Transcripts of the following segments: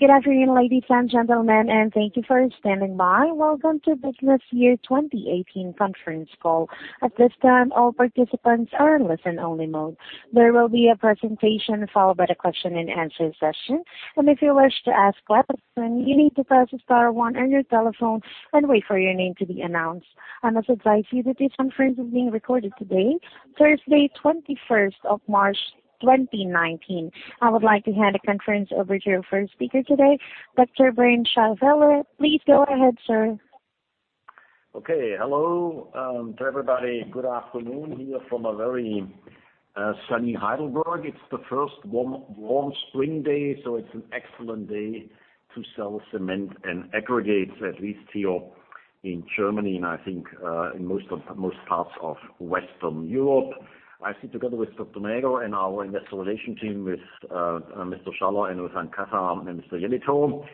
Good afternoon, ladies and gentlemen, and thank you for standing by. Welcome to Business Year 2018 conference call. At this time, all participants are in listen only mode. There will be a presentation followed by the question and answer session. If you wish to ask a question, you need to press star one on your telephone and wait for your name to be announced. I must advise you that this conference is being recorded today, Thursday, 21st of March 2019. I would like to hand the conference over to your first speaker today, Dr. Bernhard Scheifele. Please go ahead, sir. Okay. Hello to everybody. Good afternoon here from a very sunny Heidelberg. It's the first warm spring day, so it's an excellent day to sell cement and aggregates, at least here in Germany and I think in most parts of Western Europe. I sit together with Dr. Näger and our investor relation team with Mr. Schaller and with Ankatha and Mr. Jelito.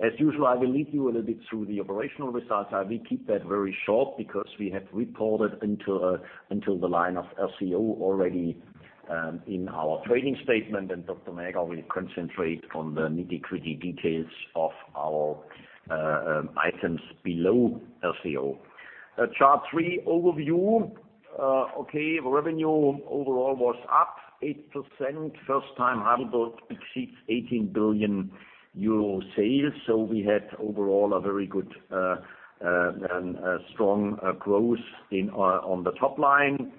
As usual, I will lead you a little bit through the operational results. I will keep that very short because we have reported until the line of RCO already in our trading statement, and Dr. Näger will concentrate on the nitty-gritty details of our items below RCO. Chart three, overview. The revenue overall was up 8%, first time Heidelberg exceeds 18 billion euro sales. So we had overall a very good and strong growth on the top line.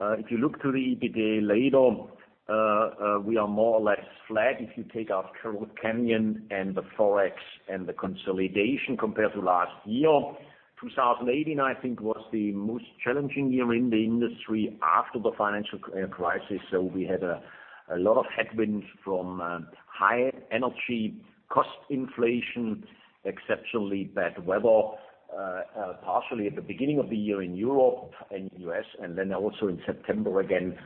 If you look to the EBITDA later, we are more or less flat if you take out Carroll Canyon and the Forex and the consolidation compared to last year. 2018, I think, was the most challenging year in the industry after the financial crisis. So we had a lot of headwinds from high energy cost inflation, exceptionally bad weather, partially at the beginning of the year in Europe and U.S., and then also in September again,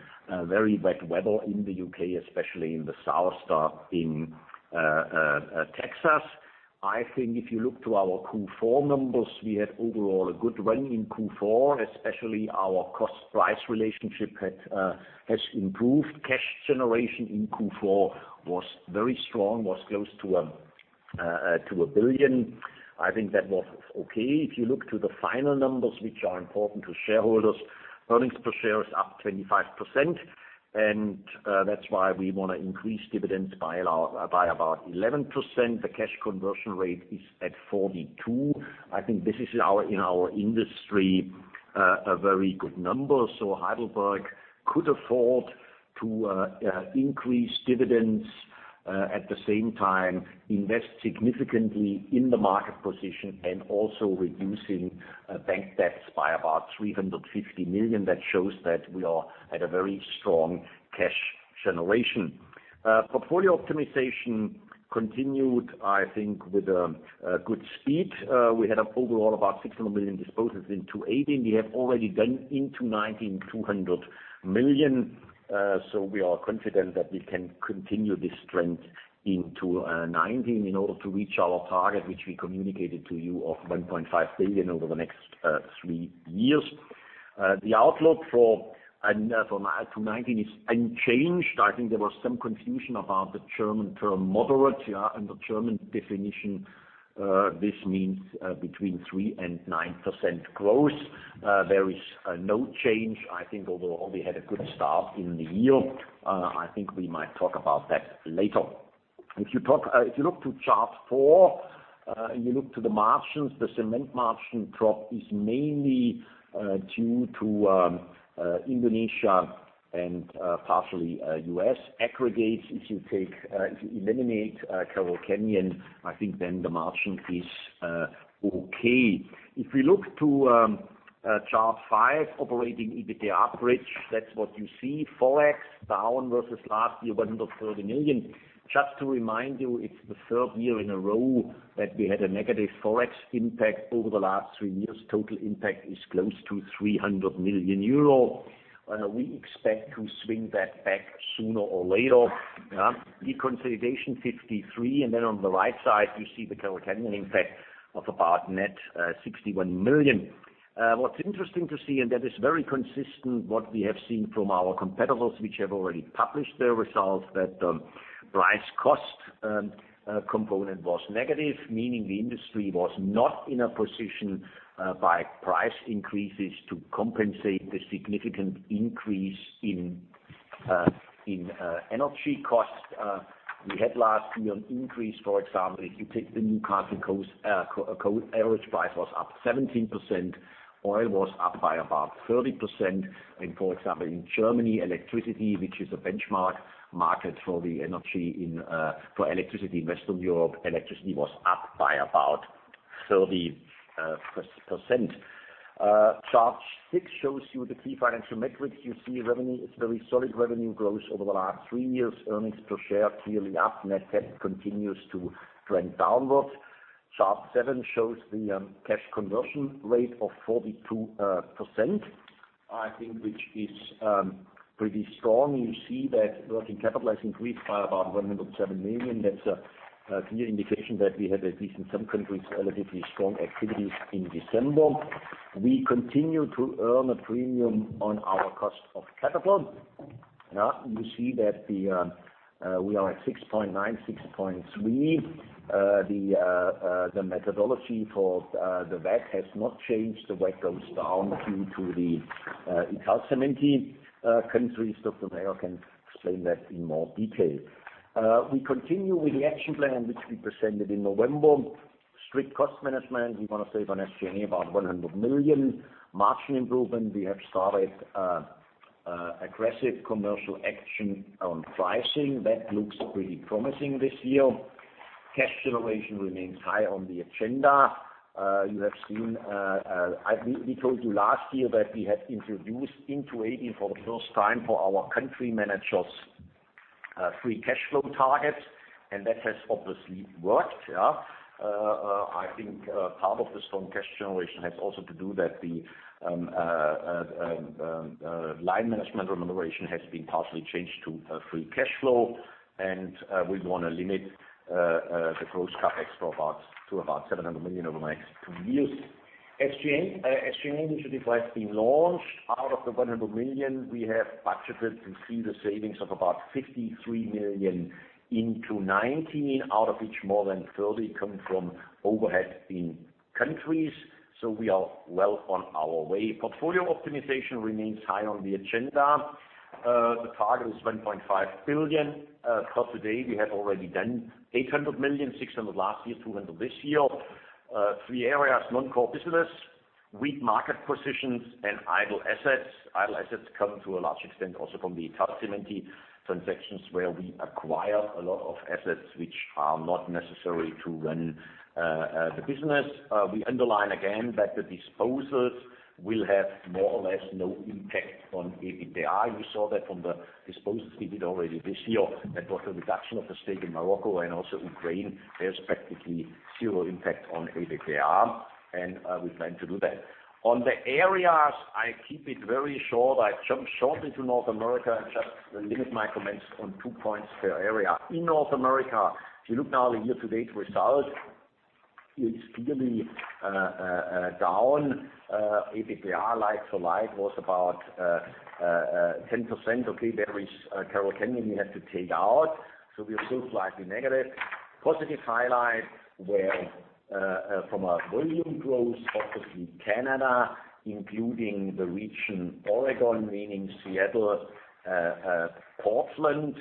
very wet weather in the U.K., especially in the southeast in Texas. I think if you look to our Q4 numbers, we had overall a good run in Q4, especially our cost-price relationship has improved. Cash generation in Q4 was very strong, was close to 1 billion. I think that was okay. If you look to the final numbers, which are important to shareholders, earnings per share is up 25%, and that's why we want to increase dividends by about 11%. The cash conversion rate is at 42. I think this is, in our industry, a very good number. So Heidelberg could afford to increase dividends, at the same time invest significantly in the market position and also reducing bank debts by about 350 million. That shows that we are at a very strong cash generation. Portfolio optimization continued, I think with a good speed. We had overall about 600 million disposals in 2018. We have already done into 2019, 200 million. So we are confident that we can continue this trend into 2019 in order to reach our target, which we communicated to you of 1.5 billion over the next three years. The outlook for 2019 is unchanged. I think there was some confusion about the German term moderate. Under German definition, this means between 3% and 9% growth. There is no change. I think overall we had a good start in the year. I think we might talk about that later. If you look to chart four, and you look to the margins, the cement margin drop is mainly due to Indonesia and partially U.S. aggregates. If you eliminate Carroll Canyon, I think then the margin is okay. If we look to chart five operating EBITDA bridge, that's what you see, Forex down versus last year, 130 million. Just to remind you, it's the third year in a row that we had a negative Forex impact over the last three years. Total impact is close to 300 million euro. We expect to swing that back sooner or later. Deconsolidation 53 million. Then on the right side, you see the Carroll Canyon impact of about net 61 million. What's interesting to see, and that is very consistent what we have seen from our competitors which have already published their results, that price cost component was negative, meaning the industry was not in a position by price increases to compensate the significant increase in energy costs. We had last year an increase, for example, if you take the Newcastle Index, average price was up 17%, oil was up by about 30%. For example, in Germany, electricity, which is a benchmark market for electricity in Western Europe, electricity was up by about 30%. Chart six shows you the key financial metrics. You see revenue. It's very solid revenue growth over the last three years. Earnings per share clearly up. Net debt continues to trend downwards. Chart seven shows the cash conversion rate of 42%, I think, which is pretty strong. You see that working capital has increased by about 107 million. That's a clear indication that we had, at least in some countries, relatively strong activities in December. We continue to earn a premium on our cost of capital. Yeah. You see that we are at 6.9%, 6.3%. The methodology for the WACC has not changed. The WACC goes down due to the Italcementi countries. Dr. Näger can explain that in more detail. We continue with the action plan, which we presented in November. Strict cost management. We want to save on SG&A about 100 million. Margin improvement, we have started aggressive commercial action on pricing. That looks pretty promising this year. Cash generation remains high on the agenda. We told you last year that we had introduced into AEM for the first time for our country managers free cash flow targets, that has obviously worked. I think part of the strong cash generation has also to do that the line management remuneration has been partially changed to free cash flow, we want to limit the gross CapEx to about 700 million over the next two years. SG&A initiative has been launched. Out of the 100 million we have budgeted, we see the savings of about 53 million into 2019, out of which more than 30 million come from overhead in countries. We are well on our way. Portfolio optimization remains high on the agenda. The target is 1.5 billion. For today, we have already done 800 million, 600 million last year, 200 million this year. Three areas, non-core business, weak market positions and idle assets. Idle assets come to a large extent also from the Italcementi transactions, where we acquire a lot of assets which are not necessary to run the business. We underline again that the disposals will have more or less no impact on EBITDA. You saw that from the disposals we did already this year. That was the reduction of the stake in Morocco and also Ukraine. There's practically zero impact on EBITDA, and we plan to do that. On the areas, I keep it very short. I jump shortly to North America and just limit my comments on two points per area. In North America, if you look now the year-to-date result, it's clearly down. EBITDA like for like was about 10%. Okay, there is Carroll Canyon we have to take out, so we're still slightly negative. Positive highlights were from a volume growth, obviously Canada, including the region Oregon, meaning Seattle, Portland,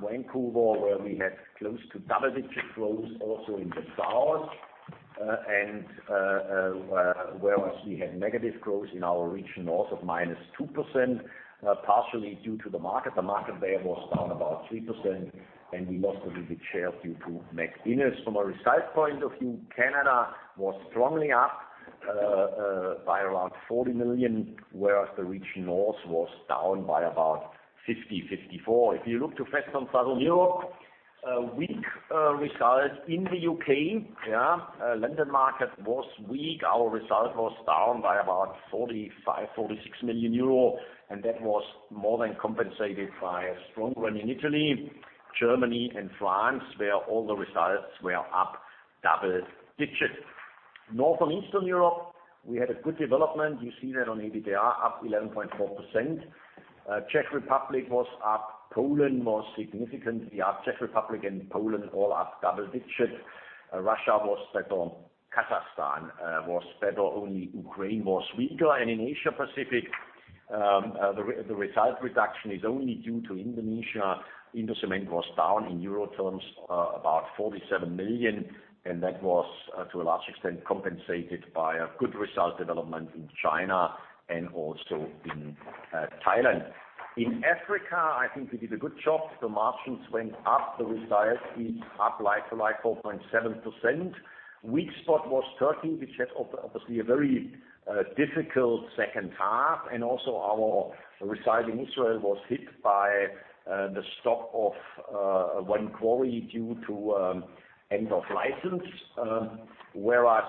Vancouver, where we had close to double-digit growth also in the South. Whereas we had negative growth in our region north of -2%, partially due to the market. The market there was down about 3%, and we lost a little bit share due to McInnis. From a result point of view, Canada was strongly up by around 40 million, whereas the region north was down by about 50 million, 54 million. If you look to Western Southern Europe, weak result in the U.K. London market was weak. Our result was down by about 45 million-46 million euro, and that was more than compensated by a strong run in Italy, Germany, and France, where all the results were up double digits. Northern Eastern Europe, we had a good development. You see that on EBITDA, up 11.4%. Czech Republic was up, Poland more significantly up. Czech Republic and Poland all up double digits. Russia was better. Kazakhstan was better. Only Ukraine was weaker. In Asia Pacific, the result reduction is only due to Indonesia. Indocement was down in euro terms, about 47 million, and that was, to a large extent, compensated by a good result development in China and also in Thailand. In Africa, I think we did a good job. The margins went up. The result is up like for like 4.7%. Weak spot was Turkey, which had, obviously, a very difficult second half. Also, our result in Israel was hit by the stop of one quarry due to end of license. Whereas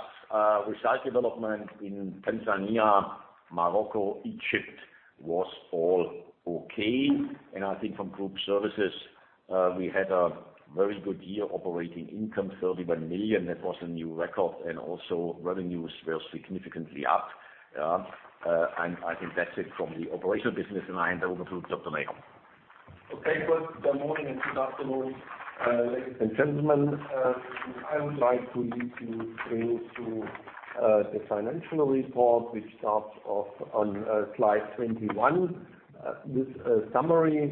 result development in Tanzania, Morocco, and Egypt was all okay. I think from group services, we had a very good year operating income, 31 million. That was a new record. Also revenues were significantly up. I think that's it from the operational business, and I hand over to Dr. Meyer. Good morning and good afternoon, ladies and gentlemen. I would like to lead you into the financial report, which starts off on slide 21 with a summary.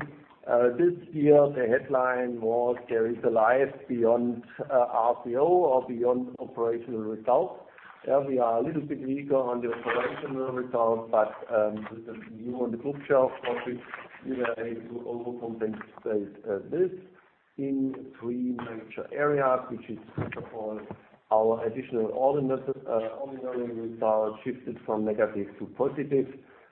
This year, the headline was, there is a life beyond RCO or beyond operational results. We are a little bit weaker on the operational result, but with the view on the group share profit, we were able to overcompensate this in three major areas, which is, first of all, our additional ordinary result shifted from negative to positive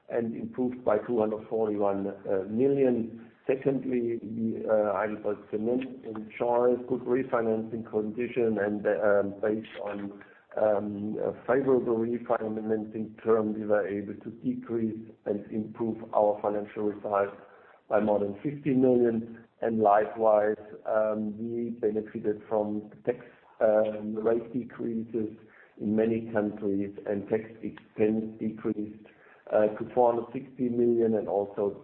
and improved by 241 million. Secondly, HeidelbergCement ensures good refinancing condition, and based on favorable refinancing terms, we were able to decrease and improve our financial results by more than 50 million. Likewise, we benefited from tax rate decreases in many countries and tax expense decreased to 460 million, and also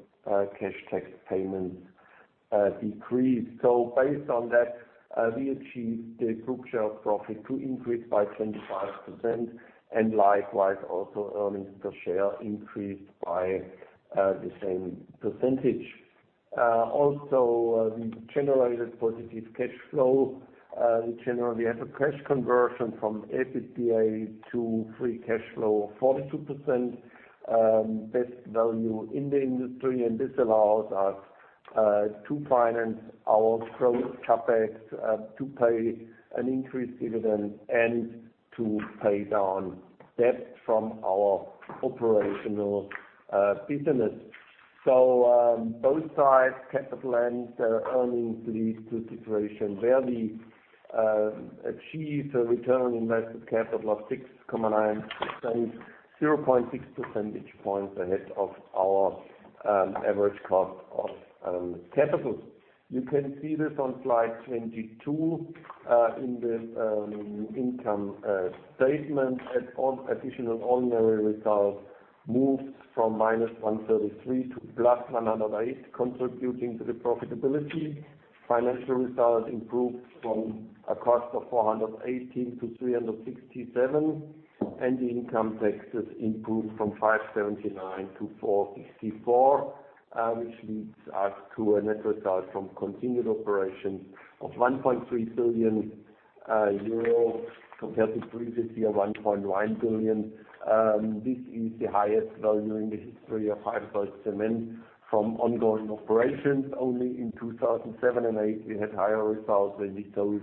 cash tax payments Decrease. Based on that, we achieved the group share profit to increase by 25%, and likewise also earnings per share increased by the same percentage. Also, we generated positive cash flow. We generally have a cash conversion from EBITDA to free cash flow of 42%, best value in the industry, and this allows us to finance our growth CapEx, to pay an increased dividend, and to pay down debt from our operational business. Both sides, capital and earnings, lead to a situation where we achieve a return on invested capital of 6.9%, 0.6 percentage points ahead of our average cost of capital. You can see this on slide 22 in the income statement that additional ordinary results moved from -133 to +108, contributing to the profitability. Financial results improved from a cost of 418 to 367. The income taxes improved from 579 to 464, which leads us to a net result from continued operations of 1.3 billion euro, compared to previously 1.1 billion. This is the highest value in the history of HeidelbergCement from ongoing operations. Only in 2007 and 2008 we had higher results when we sold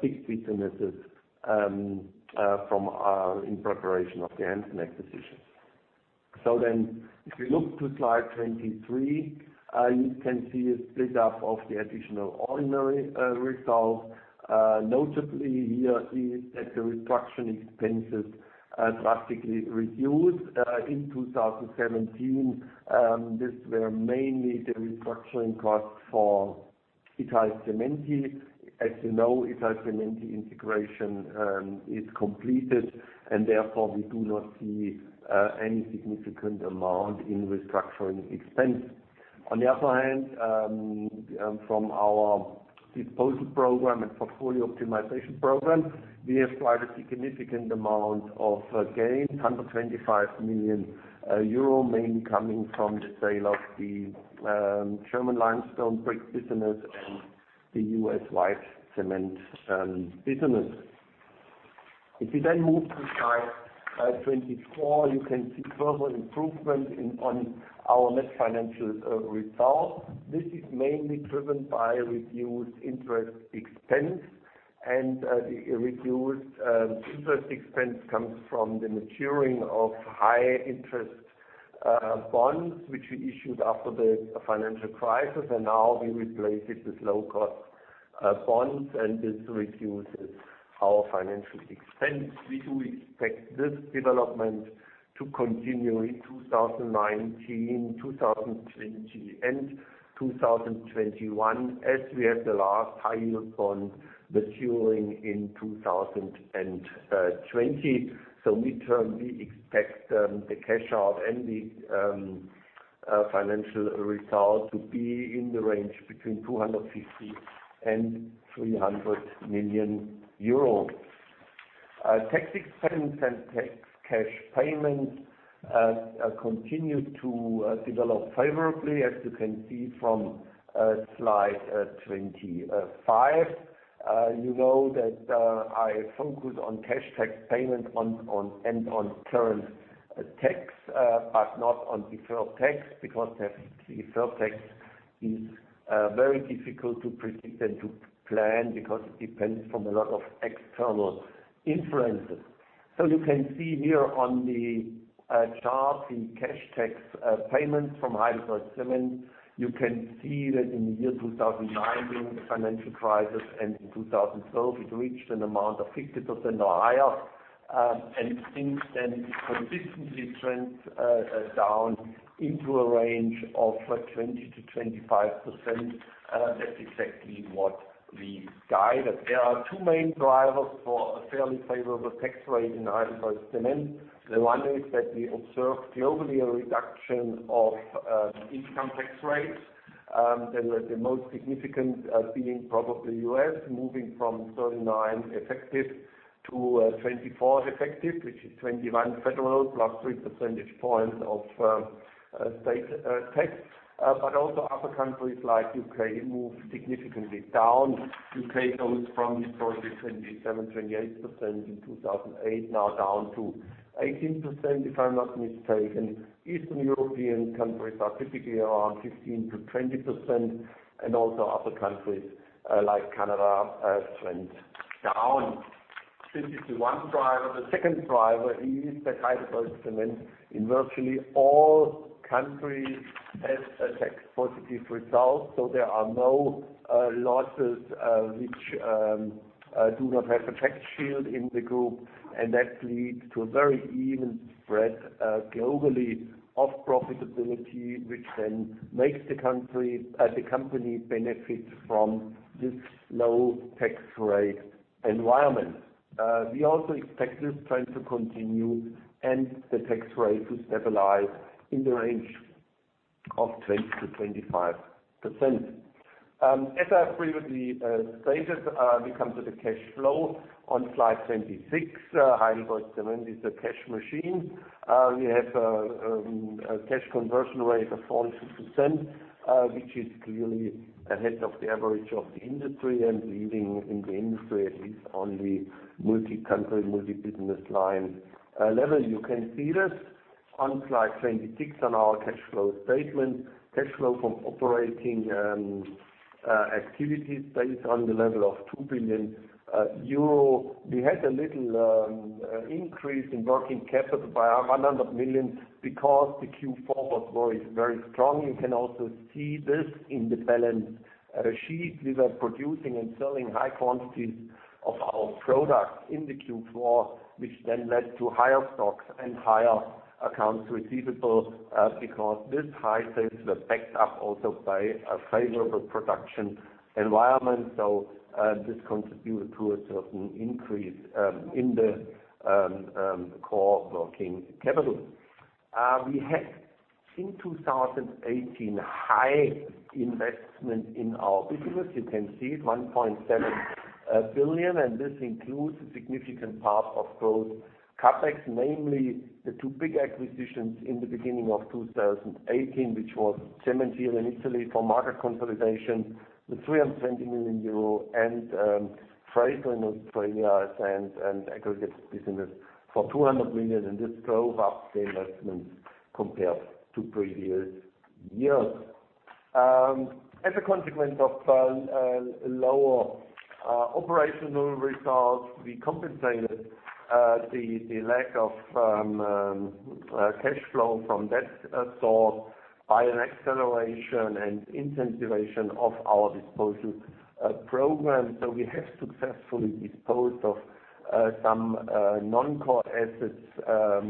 six businesses in preparation of the Hanson acquisition. If we look to slide 23, you can see a split up of the additional ordinary results. Notably here is that the restructuring expenses drastically reduced in 2017. These were mainly the restructuring costs for Italcementi. As you know, Italcementi integration is completed, and therefore we do not see any significant amount in restructuring expense. On the other hand, from our disposal program and portfolio optimization program, we have quite a significant amount of gains, 125 million euro, mainly coming from the sale of the German limestone bricks business and the U.S. white cement business. If we move to slide 24, you can see further improvement on our net financial results. This is mainly driven by reduced interest expense, and the reduced interest expense comes from the maturing of high interest bonds, which we issued after the financial crisis, and now we replace it with low cost bonds, and this reduces our financial expense. We do expect this development to continue in 2019, 2020 and 2021, as we have the last high yield bond maturing in 2020. Mid-term, we expect the cash out and the financial results to be in the range between 250 and 300 million euros. Tax expense and tax cash payments continued to develop favorably, as you can see from slide 25. You know that I focus on cash tax payment and on current tax, but not on deferred tax, because deferred tax is very difficult to predict and to plan because it depends from a lot of external influences. You can see here on the chart in cash tax payments from HeidelbergCement, you can see that in the year 2009, during the financial crisis and in 2012, it reached an amount of 50% or higher, and since then it consistently trends down into a range of 20%-25%. That's exactly what we guided. There are two main drivers for a fairly favorable tax rate in HeidelbergCement. The one is that we observe globally a reduction of income tax rates, the most significant being probably U.S., moving from 39 effective to 24 effective, which is 21 federal plus 3 percentage points of state tax. Also other countries like U.K. moved significantly down. U.K. goes from historically 27%-28% in 2008, now down to 18%, if I'm not mistaken. Eastern European countries are typically around 15%-20%, and also other countries like Canada have trend down. This is the one driver. The second driver is that HeidelbergCement in virtually all countries has a tax positive result. There are no losses which do not have a tax shield in the group, and that leads to a very even spread globally of profitability, which then makes the company benefit from this low tax rate environment. We also expect this trend to continue and the tax rate to stabilize in the range of 20%-25%. As I previously stated, we come to the cash flow on slide 26. HeidelbergCement is a cash machine. We have a cash conversion rate of 42%, which is clearly ahead of the average of the industry and leading in the industry, at least on the multi-country, multi-business line level. You can see this on slide 26 on our cash flow statement. Cash flow from operating activities stays on the level of 2 billion euro. We had a little increase in working capital by 100 million because the Q4 was very strong. You can also see this in the balance sheet. We were producing and selling high quantities of our products in the Q4, which then led to higher stocks and higher accounts receivable, because this high sales were backed up also by a favorable production environment. This contributed to a certain increase in the core working capital. We had, in 2018, high investment in our business. You can see it, 1.7 billion, and this includes a significant part of growth CapEx, namely the two big acquisitions in the beginning of 2018, which was Cementir in Italy for market consolidation, with 320 million euro and Fraser in Australia, a sand and aggregates business for 200 million, and this drove up the investment compared to previous years. As a consequence of lower operational results, we compensated the lack of cash flow from that source by an acceleration and intensification of our disposal program. We have successfully disposed of some non-core assets,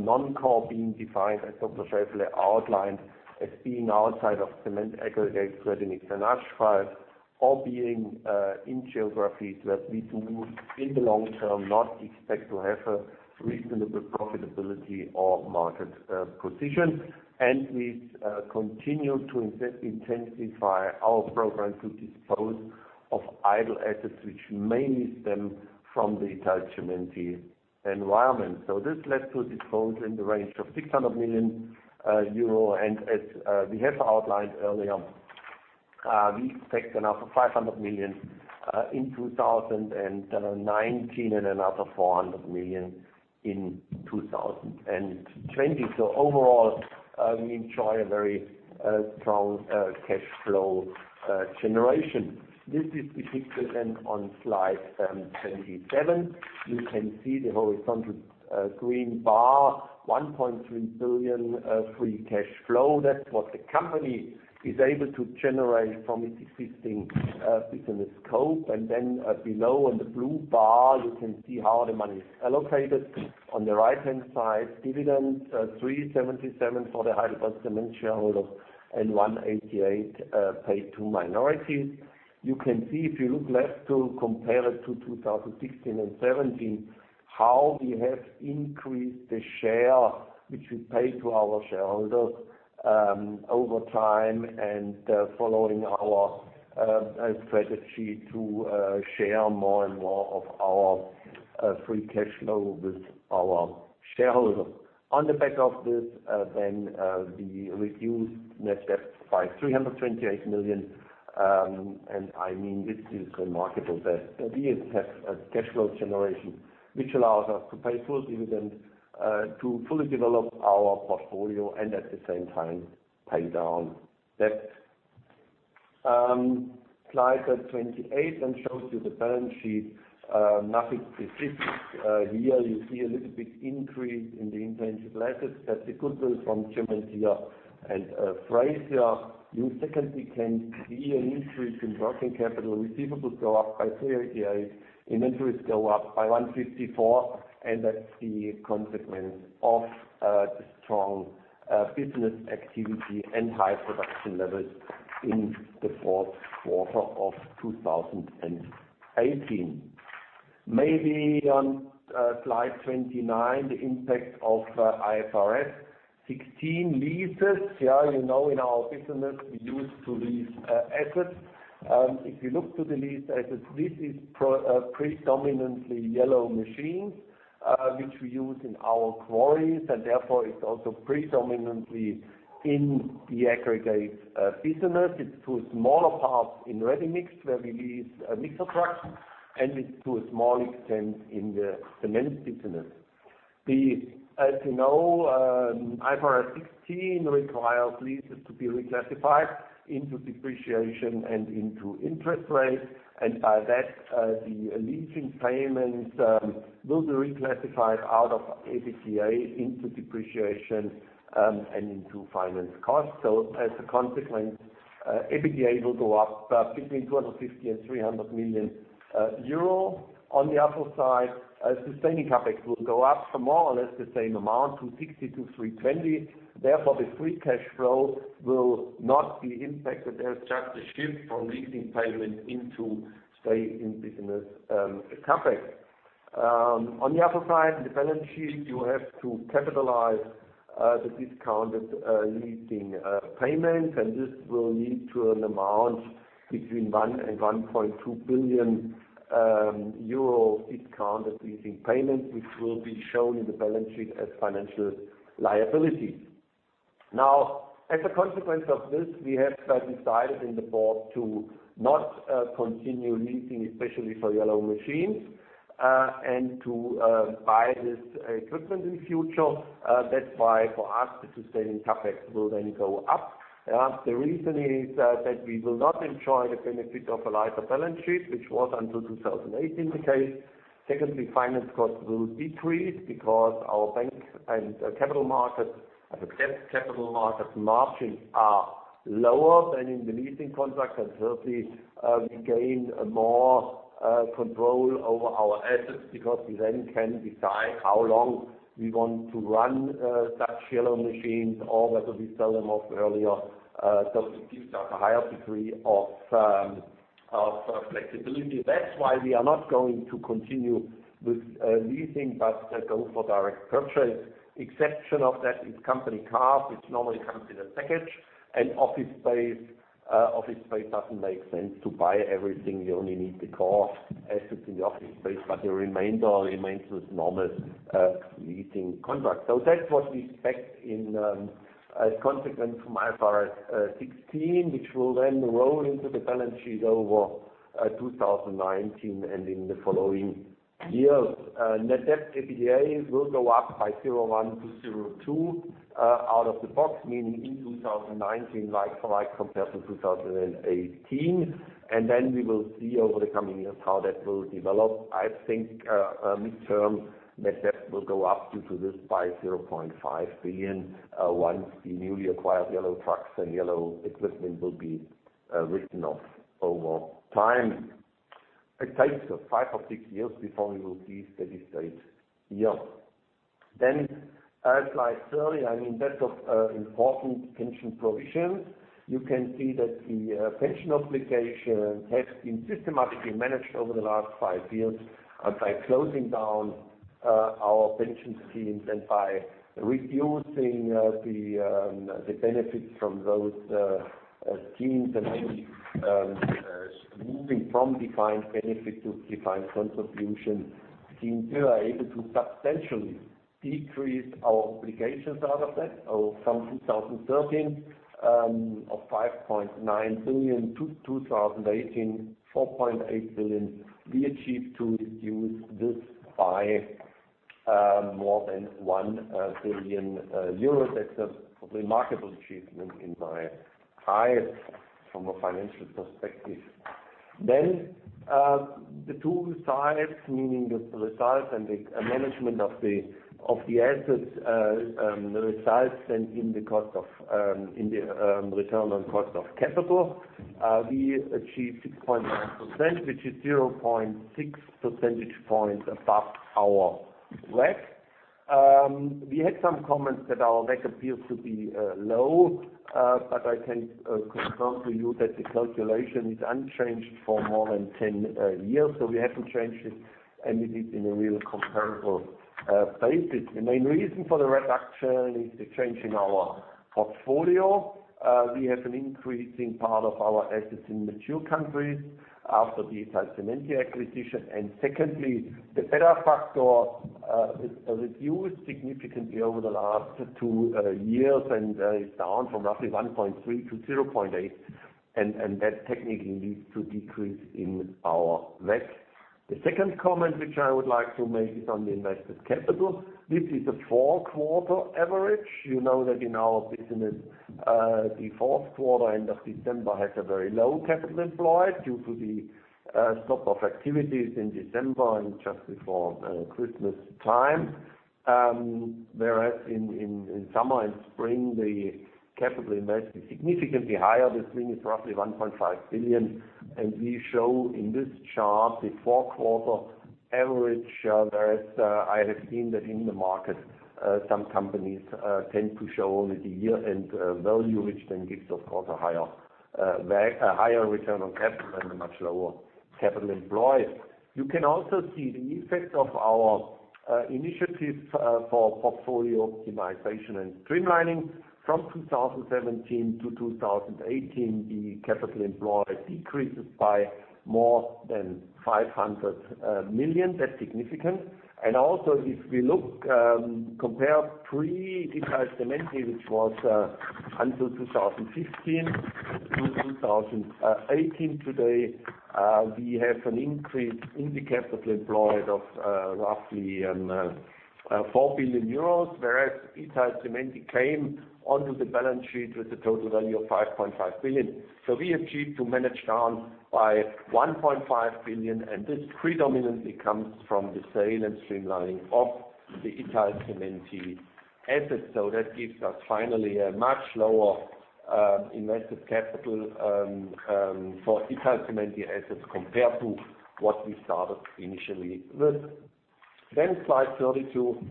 non-core being defined, as Dr. Scheifele outlined, as being outside of cement, aggregates, ready-mix, and asphalt, or being in geographies that we do, in the long term, not expect to have a reasonable profitability or market position. We continue to intensify our program to dispose of idle assets, which mainly stem from the Italcementi environment. This led to a disposal in the range of 600 million euro. As we have outlined earlier, we expect another 500 million in 2019 and another 400 million in 2020. Overall, we enjoy a very strong cash flow generation. This is depicted then on slide 27. You can see the horizontal green bar, 1.3 billion free cash flow. That's what the company is able to generate from its existing business scope. Below on the blue bar, you can see how the money is allocated. On the right-hand side, dividend, 377 for the HeidelbergCement shareholder and 188 paid to minority. You can see if you look left to compare it to 2016 and 2017, how we have increased the share which we pay to our shareholders over time and following our strategy to share more and more of our free cash flow with our shareholders. On the back of this, we reduced net debt by 328 million. I mean, this is remarkable that we have a cash flow generation which allows us to pay full dividend, to fully develop our portfolio, and at the same time pay down debt. Slide 28 then shows you the balance sheet. Nothing specific here. You see a little bit increase in the intangible assets. That's the goodwill from Cementir and Fraser. You secondly can see an increase in working capital. Receivables go up by 388, inventories go up by 154, and that's the consequence of the strong business activity and high production levels in the fourth quarter of 2018. Maybe on slide 29, the impact of IFRS 16 leases. You know in our business, we used to lease assets. If you look to the leased assets, this is predominantly yellow machines, which we use in our quarries, and therefore it's also predominantly in the aggregate business. It's to a smaller part in ready-mix, where we lease mixer trucks, and it's to a small extent in the cement business. As you know, IFRS 16 requires leases to be reclassified into depreciation and into interest rates, and by that, the leasing payments will be reclassified out of EBITDA into depreciation and into finance costs. As a consequence, EBITDA will go up between 250 million and 300 million euro. On the upper side, sustaining CapEx will go up for more or less the same amount, 260 million to 320 million. Therefore, the free cash flow will not be impacted. There's just a shift from leasing payment into stay in business CapEx. On the other side, the balance sheet, you have to capitalize the discounted leasing payment. This will lead to an amount between 1 billion and 1.2 billion euro discounted leasing payment, which will be shown in the balance sheet as financial liability. Now, as a consequence of this, we have decided in the board to not continue leasing, especially for yellow machines, and to buy this equipment in future. That's why for us, the sustaining CapEx will then go up. The reason is that we will not enjoy the benefit of a lighter balance sheet, which was until 2018 the case. Finance costs will decrease because our bank and debt capital market margins are lower than in the leasing contracts. We gain more control over our assets because we then can decide how long we want to run such yellow machines or whether we sell them off earlier. It gives us a higher degree of flexibility. That is why we are not going to continue with leasing, but go for direct purchase. Exception of that is company cars, which normally come in a package and office space. Office space does not make sense to buy everything. You only need the core assets in the office space, the remainder remains with normal leasing contracts. That is what we expect as a consequence from IFRS 16, which will then roll into the balance sheet over 2019 and in the following years. Net debt EBITDA will go up by 0.1-0.2 out of the box, meaning in 2019, like for like compared to 2018. We will see over the coming years how that will develop. I think midterm net debt will go up due to this by 0.5 billion once the newly acquired yellow trucks and yellow equipment will be written off over time. It takes 5 or 6 years before we will see steady state here. Slide 30. That of important pension provisions. You can see that the pension obligation has been systematically managed over the last 5 years by closing down our pension schemes and by reducing the benefits from those schemes and moving from defined benefit to defined contribution schemes. We were able to substantially decrease our obligations out of that from 2013 of 5.9 billion to 2018, 4.8 billion. We achieved to reduce this by more than 1 billion euros. That is a remarkable achievement in my eyes from a financial perspective. The 2 sides, meaning the results and the management of the assets results in the return on cost of capital. We achieved 6.9%, which is 0.6 percentage points above our WACC. We had some comments that our WACC appears to be low, I can confirm to you that the calculation is unchanged for more than 10 years. We have not changed it and it is in a real comparable basis. The main reason for the reduction is the change in our portfolio. We have an increasing part of our assets in mature countries after the Italcementi acquisition. The beta factor is reduced significantly over the last 2 years and is down from roughly 1.3-0.8. That technically leads to decrease in our WACC. The second comment which I would like to make is on the invested capital. This is a 4-quarter average. You know that in our business the fourth quarter, end of December has a very low capital employed due to the stop of activities in December and just before Christmas time. Whereas in summer and spring the capital invested is significantly higher. This thing is roughly 1.5 billion and we show in this chart the 4-quarter average. I have seen that in the market some companies tend to show only the year-end value, which gives of course a higher return on capital and a much lower capital employed. You can also see the effect of our initiative for portfolio optimization and streamlining from 2017 to 2018. The capital employed decreases by more than 500 million. That's significant. If we compare pre Italcementi, which was until 2015 to 2018 today, we have an increase in the capital employed of roughly 4 billion euros, whereas Italcementi came onto the balance sheet with a total value of 5.5 billion. We achieved to manage down by 1.5 billion and this predominantly comes from the sale and streamlining of the Italcementi assets. That gives us finally a much lower invested capital for Italcementi assets compared to what we started initially with. Slide 32,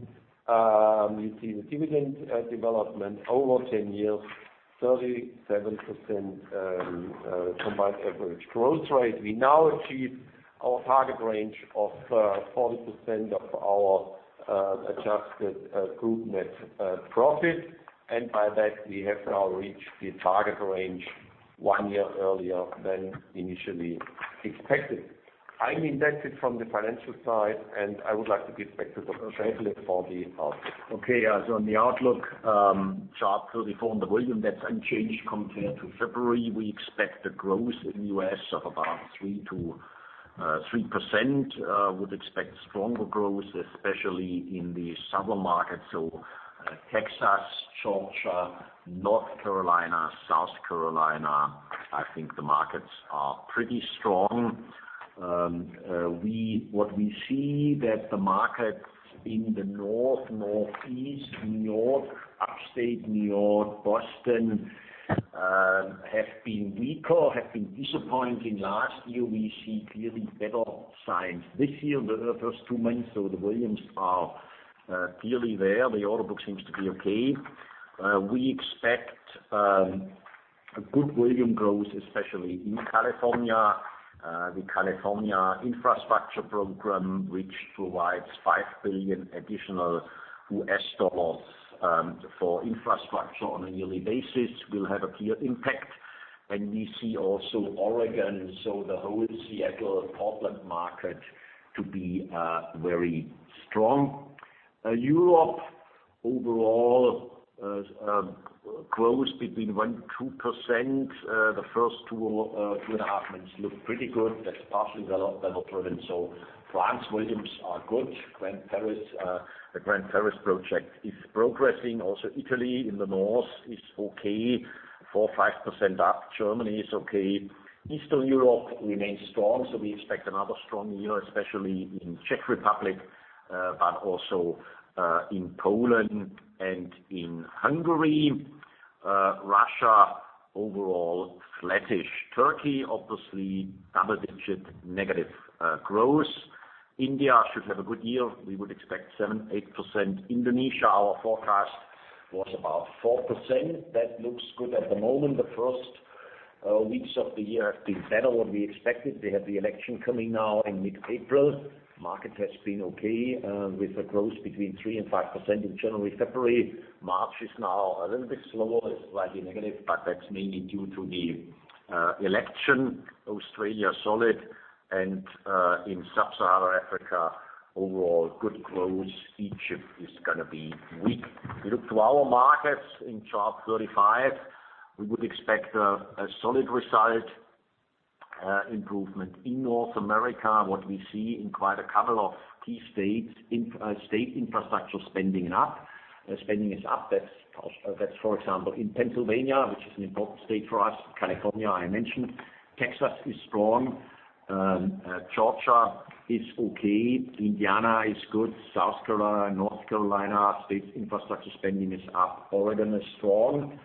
you see the dividend development over 10 years. 37% combined average growth rate. We now achieve our target range of 40% of our adjusted group net profit. By that, we have now reached the target range one year earlier than initially expected. I'm exhausted from the financial side, I would like to give back to Dr. Scheifele for the outlook. On the outlook, Chart 34, on the volume, that's unchanged compared to February. We expect a growth in U.S. of about 3%. Expect stronger growth, especially in the summer market, Texas, Georgia, North Carolina, South Carolina. I think the markets are pretty strong. We see that the market in the North, Northeast, New York, Upstate New York, Boston, have been weaker, have been disappointing last year. We see clearly better signs this year, the first two months. The volumes are clearly there. The order book seems to be okay. We expect a good volume growth, especially in California. The California infrastructure program, which provides $5 billion additional U.S. dollars for infrastructure on a yearly basis, will have a clear impact. We see also Oregon, the whole Seattle-Portland market to be very strong. Europe, overall, growth between 1%-2%. The first two and a half months look pretty good. That's partially weather-driven. France volumes are good. The Grand Paris project is progressing. Italy in the north is okay, 4%-5% up. Germany is okay. Eastern Europe remains strong, we expect another strong year, especially in Czech Republic, also in Poland and in Hungary. Russia, overall flattish. Turkey, obviously double-digit negative growth. India should have a good year. We would expect 7%-8%. Indonesia, our forecast was about 4%. That looks good at the moment. The first weeks of the year have been better than we expected. They have the election coming now in mid-April. Market has been okay, with a growth between 3%-5% in January, February. March is now a little bit slower. It's slightly negative, that's mainly due to the election. Australia, solid. In Sub-Sahara Africa, overall good growth. Egypt is going to be weak. If you look to our markets in Chart 35, we would expect a solid result improvement in North America. What we see in quite a couple of key states, state infrastructure spending is up. That's for example, in Pennsylvania, which is an important state for us. California, I mentioned. Texas is strong. Georgia is okay. Indiana is good. South Carolina, North Carolina states infrastructure spending is up. Oregon is strong.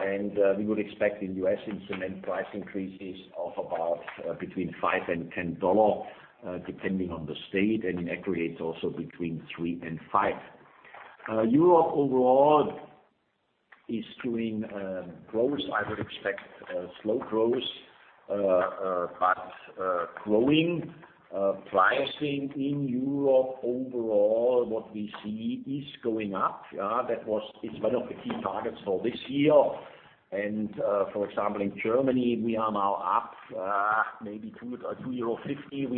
We would expect in U.S., cement price increases of about between $5 and $10, depending on the state, and aggregates also between $3 and $5. Europe overall is doing growth. I would expect slow growth, but growing. Pricing in Europe overall, what we see is going up. That it's one of the key targets for this year. For example, in Germany, we are now up maybe EUR 2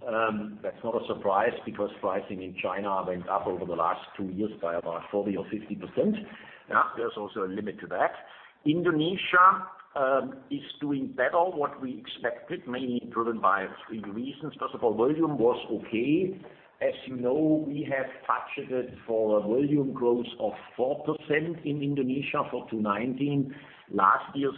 or EUR 2.50.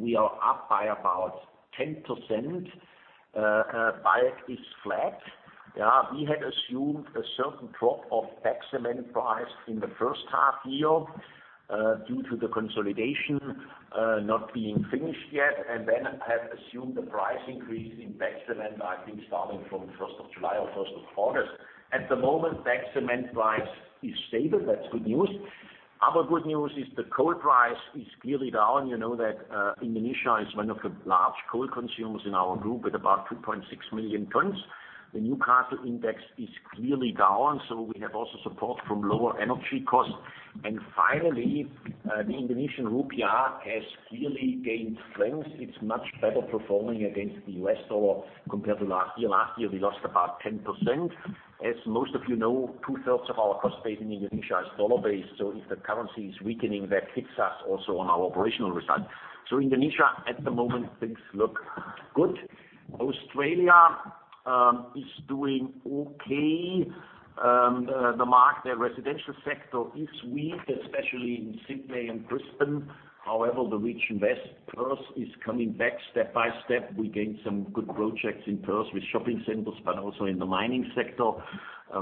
we are up by about 10%. Bag is flat. We had assumed a certain drop of bagged cement price in the first half year due to the consolidation not being finished yet, then had assumed the price increase in bagged cement, I think, starting from first of July or first of August. At the moment, bagged cement price is stable. That's good news. Other good news is the coal price is clearly down. You know that Indonesia is one of the large coal consumers in our group, with about 2.6 million tons. is doing okay. The market, the residential sector is weak, especially in Sydney and Brisbane. However, the rich invest. Perth is coming back step by step. We gained some good projects in Perth with shopping centers, but also in the mining sector.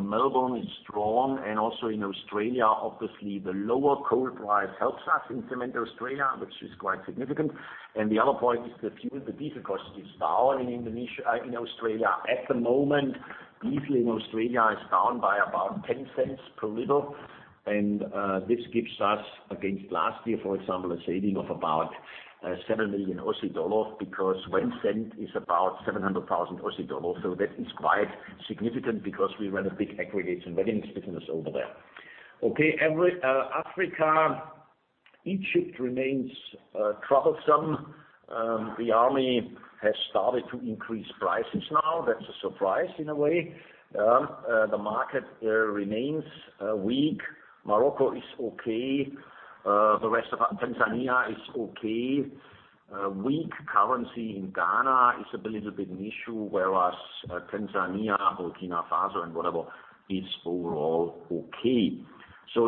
Melbourne is strong, and also in Australia, obviously, the lower coal price helps us in Cement Australia, which is quite significant. The other point is the fuel, the diesel cost is down in Australia. At the moment, diesel in Australia is down by about 0.10 per liter, and this gives us, against last year, for example, a saving of about 7 million Aussie dollars, because 0.01 is about 700,000 Aussie dollars. That is quite significant because we run a big aggregates and ready-mix business over there. Africa, Egypt remains troublesome. The army has started to increase prices now. That's a surprise in a way. The market remains weak. Morocco is okay. The rest of Tanzania is okay. Weak currency in Ghana is a little bit an issue, whereas Tanzania, Burkina Faso, and whatever, is overall okay.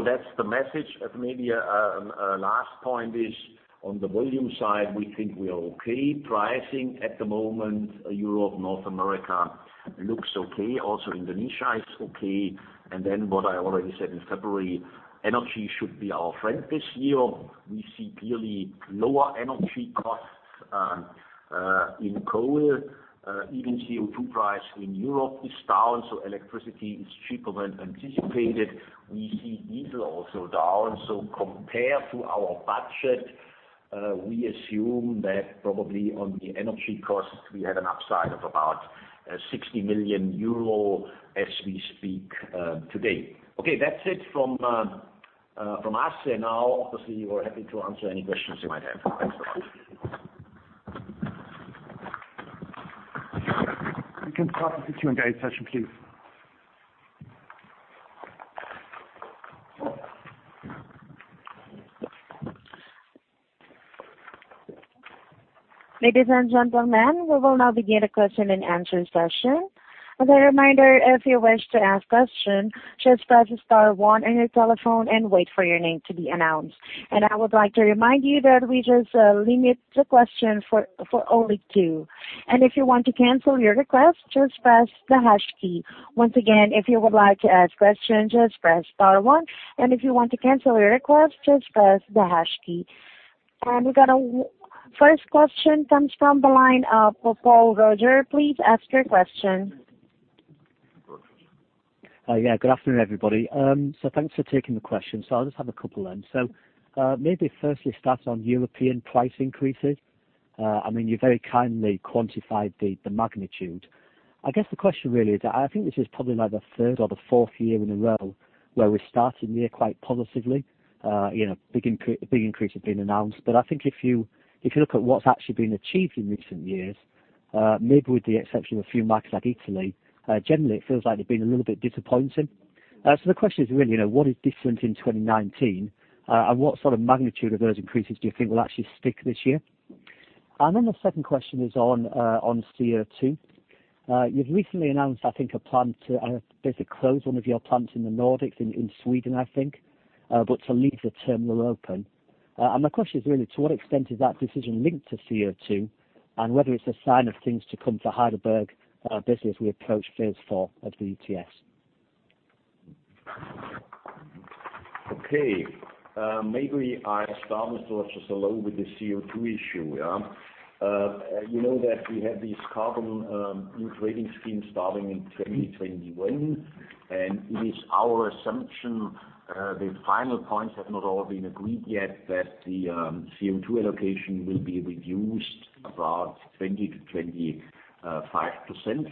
That's the message. Maybe a last point is on the volume side, we think we are okay. Pricing at the moment, Europe, North America looks okay. Also Indonesia is okay. What I already said in February, energy should be our friend this year. We see clearly lower energy costs in coal. Even CO2 price in Europe is down, so electricity is cheaper than anticipated. We see diesel also down. Compared to our budget, we assume that probably on the energy costs, we had an upside of about 60 million euro as we speak today. That's it from us. Now obviously, we're happy to answer any questions you might have. Thanks very much. We can start with the Q&A session, please. Ladies and gentlemen, we will now begin a question and answer session. As a reminder, if you wish to ask a question, just press star one on your telephone and wait for your name to be announced. I would like to remind you that we just limit the questions to only two. If you want to cancel your request, just press the hash key. Once again, if you would like to ask a question, just press star one, if you want to cancel your request, just press the hash key. First question comes from the line of Paul Roger. Please ask your question. Good afternoon, everybody. Thanks for taking the question. I'll just have a couple then. Maybe firstly start on European price increases. You very kindly quantified the magnitude. I guess the question really is, I think this is probably now the third or fourth year in a row where we're starting the year quite positively. Big increases had been announced. I think if you look at what's actually been achieved in recent years, maybe with the exception of a few markets like Italy, generally, it feels like they've been a little bit disappointing. The question is really, what is different in 2019? What sort of magnitude of those increases do you think will actually stick this year? The second question is on CO2. You've recently announced, I think, a plan to basically close one of your plants in the Nordics, in Sweden, I think, but to leave the terminal open. My question is really to what extent is that decision linked to CO2 and whether it's a sign of things to come for HeidelbergCement as we approach phase 4 of the ETS? Maybe I'll start with just alone with the CO2 issue. You know that we have this carbon new trading scheme starting in 2021, it is our assumption, the final points have not all been agreed yet, that the CO2 allocation will be reduced about 20%-25%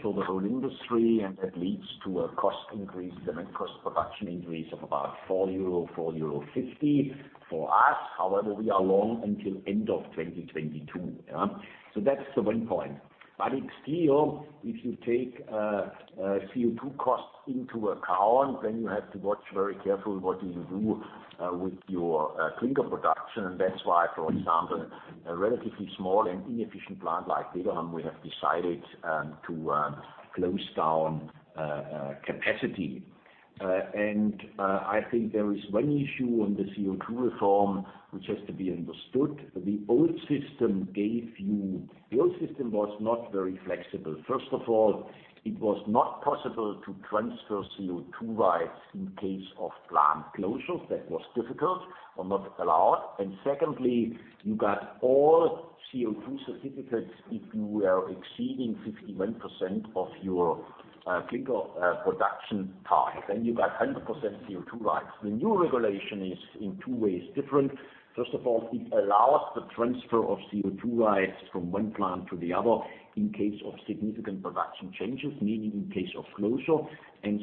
for the whole industry, and that leads to a cost increase, cement cost production increase of about 4 euro, 4.50 euro for us. However, we are long until end of 2022. That's the one point. It's still, if you take CO2 costs into account, then you have to watch very carefully what you do with your clinker production. That's why, for example, a relatively small and inefficient plant like Degerhamn, we have decided to close down capacity. I think there is one issue on the CO2 reform which has to be understood. First of all, it was not possible to transfer CO2 rights in case of plant closures. That was difficult or not allowed. Secondly, you got all CO2 certificates if you were exceeding 51% of your clinker production target, then you got 100% CO2 rights. The new regulation is, in two ways, different. First of all, it allows the transfer of CO2 rights from one plant to the other in case of significant production changes, meaning in case of closure.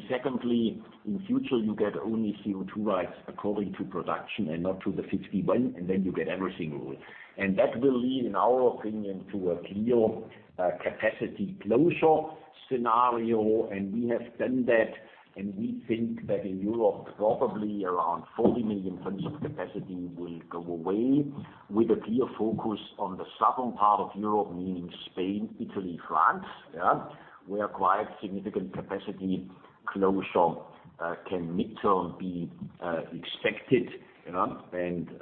Secondly, in future, you get only CO2 rights according to production and not to the 51, then you get everything. That will lead, in our opinion, to a clear capacity closure scenario. We have done that, and we think that in Europe, probably around 40 million tons of capacity will go away with a clear focus on the southern part of Europe, meaning Spain, Italy, France, where quite significant capacity closure can mid-term be expected. Obviously,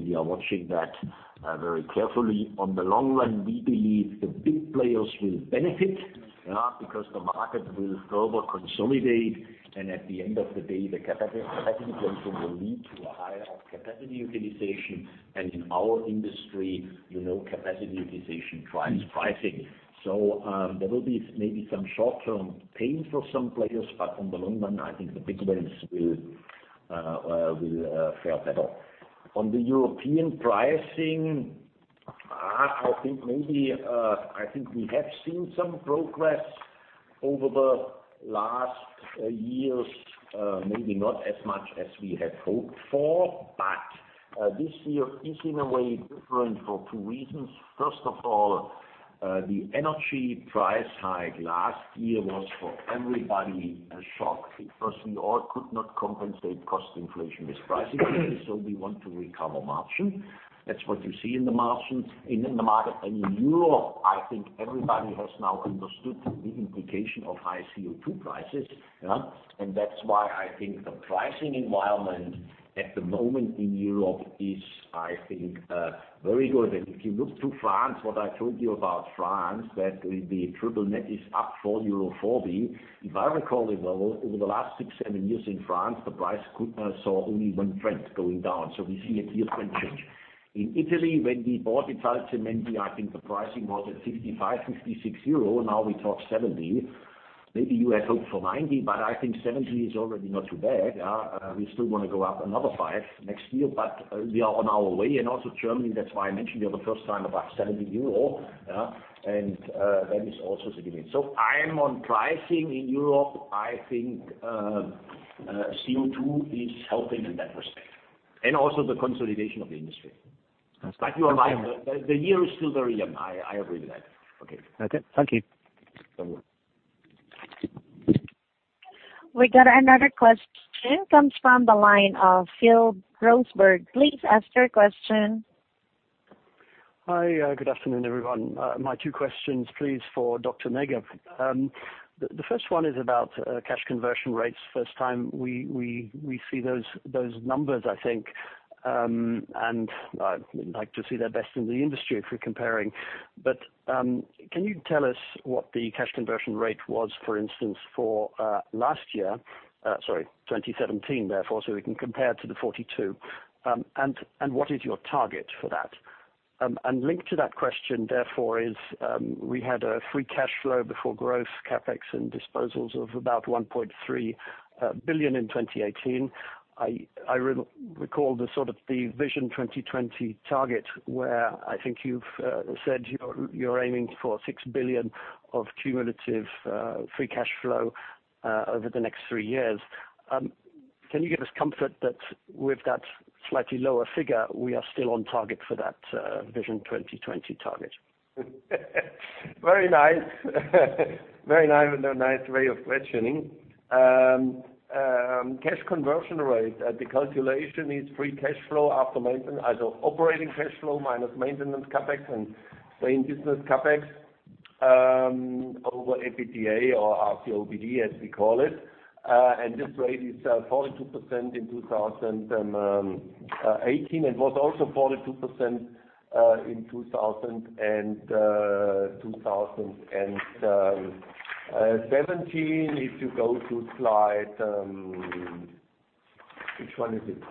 we are watching that very carefully. On the long run, we believe the big players will benefit, because the market will further consolidate, and at the end of the day, the capacity closure will lead to a higher capacity utilization. In our industry, capacity utilization drives pricing. There will be maybe some short-term pain for some players, but in the long run, I think the big players will fare better. On the European pricing, I think we have seen some progress over the last years. Maybe not as much as we had hoped for, but this year is in a way different for two reasons. First of all, the energy price hike last year was, for everybody, a shock, because we all could not compensate cost inflation with pricing. We want to recover margin. That's what you see in the market. In Europe, I think everybody has now understood the implication of high CO2 prices. That's why I think the pricing environment at the moment in Europe is, I think, very good. If you look to France, what I told you about France, that the triple net is up euro 4.40. If I recall it well, over the last six, seven years in France, the price saw only one trend, going down. We see a clear trend change. In Italy, when we bought Italcementi, I think the pricing was at 55, 56 euro. Now we talk 70. Maybe you had hoped for 90, but I think 70 is already not too bad. We still want to go up another five next year, but we are on our way. Also Germany, that's why I mentioned the other first time about 70 euro. That is also significant. I am on pricing in Europe. I think CO2 is helping in that respect, and also the consolidation of the industry. That's clear. You are right. The year is still very young. I agree with that. Okay. Okay. Thank you. Don't worry. We got another question, comes from the line of Phil Roseberg. Please ask your question. Hi. Good afternoon, everyone. My two questions please, for Dr. Näger. The first one is about cash conversion rates. First time we see those numbers, I think. I would like to see they're best in the industry if we're comparing. Can you tell us what the cash conversion rate was, for instance, for last year, sorry, 2017 therefore, so we can compare to the 42. What is your target for that? Linked to that question therefore is, we had a free cash flow before growth, CapEx and disposals of about 1.3 billion in 2018. I recall the sort of the Vision 2020 target, where I think you've said you're aiming for 6 billion of cumulative free cash flow over the next three years. Can you give us comfort that with that slightly lower figure, we are still on target for that Vision 2020 target? Very nice. A nice way of questioning. Cash conversion rate. The calculation is free cash flow after maintenance, either operating cash flow minus maintenance CapEx and same business CapEx over EBITDA or RCOBD as we call it. This rate is 42% in 2018 and was also 42% in 2017. If you go to slide 27,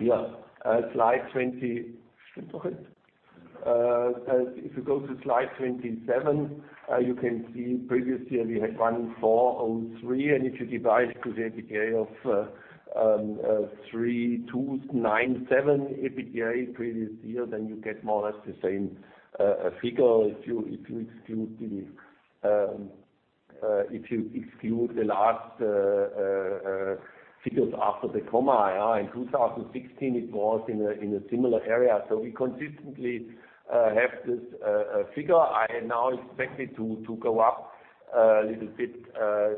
you can see previous year we had 1,403 and if you divide to the EBITDA of 3,297 EBITDA previous year, you get more or less the same figure if you exclude the If you exclude the last figures after the comma. In 2016, it was in a similar area. We consistently have this figure. I now expect it to go up a little bit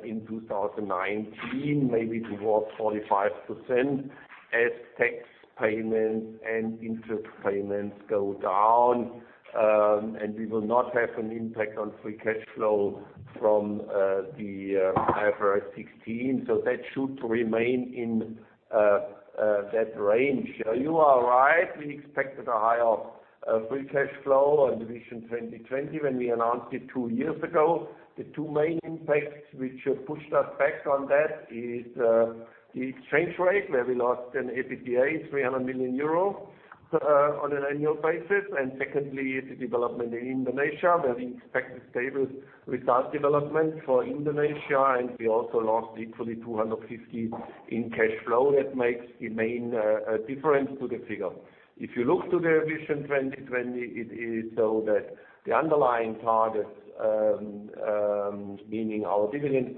in 2019, maybe towards 45%, as tax payments and interest payments go down, we will not have an impact on free cash flow from the IFRS 16. That should remain in that range. You are right, we expected a higher free cash flow on Vision 2020 when we announced it two years ago. The two main impacts which have pushed us back on that is the exchange rate, where we lost an EBITDA 300 million euro on an annual basis. Secondly, the development in Indonesia. We have expected stable result development for Indonesia, and we also lost equally 250 in cash flow. That makes the main difference to the figure. If you look to Vision 2020, it is so that the underlying targets, meaning our dividend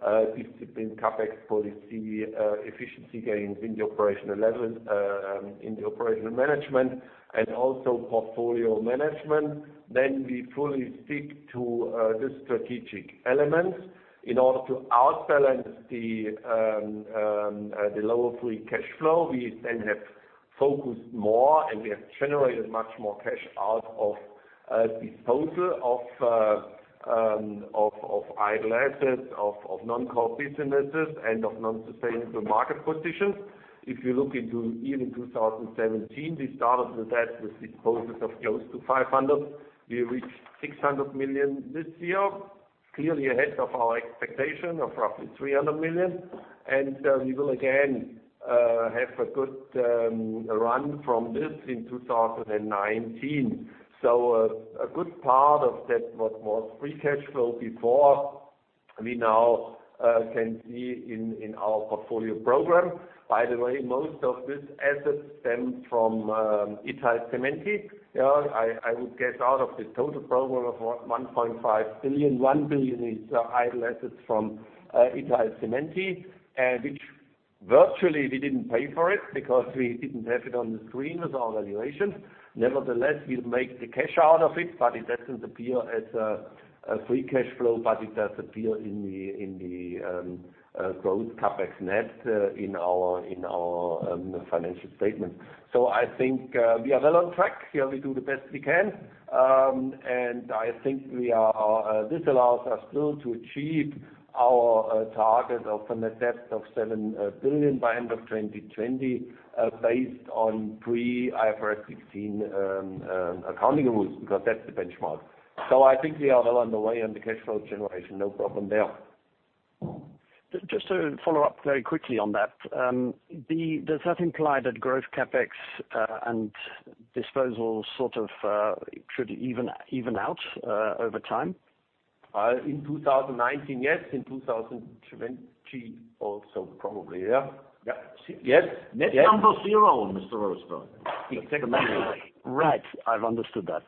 policy, return cash to shareholders, disciplined CapEx policy, efficiency gains in the operational management, and also portfolio management, then we fully stick to the strategic elements. In order to outbalance the lower free cash flow, we then have focused more, and we have generated much more cash out of disposal of idle assets, of non-core businesses, and of non-sustainable market positions. If you look into year 2017, we started with that, with disposals of close to 500. We reached 600 million this year, clearly ahead of our expectation of roughly 300 million. We will again have a good run from this in 2019. A good part of that, what was free cash flow before, we now can see in our portfolio program. By the way, most of these assets stemmed from Italcementi. I would guess out of the total program of 1.5 billion, 1 billion is idle assets from Italcementi, which virtually we didn't pay for it because we didn't have it on the screen with our valuation. Nevertheless, we make the cash out of it, but it doesn't appear as a free cash flow, but it does appear in the growth CapEx net in our financial statement. I think we are well on track here. We do the best we can. I think this allows us still to achieve our target of a net debt of 7 billion by end of 2020, based on pre-IFRS 16 accounting rules, because that's the benchmark. I think we are well on the way on the cash flow generation. No problem there. Just to follow up very quickly on that. Does that imply that growth CapEx and disposals should even out over time? In 2019, yes. In 2020 also probably, yeah. Yep. Yes. Net number zero, Mr. Roseberg. That's the message. Right. I've understood that.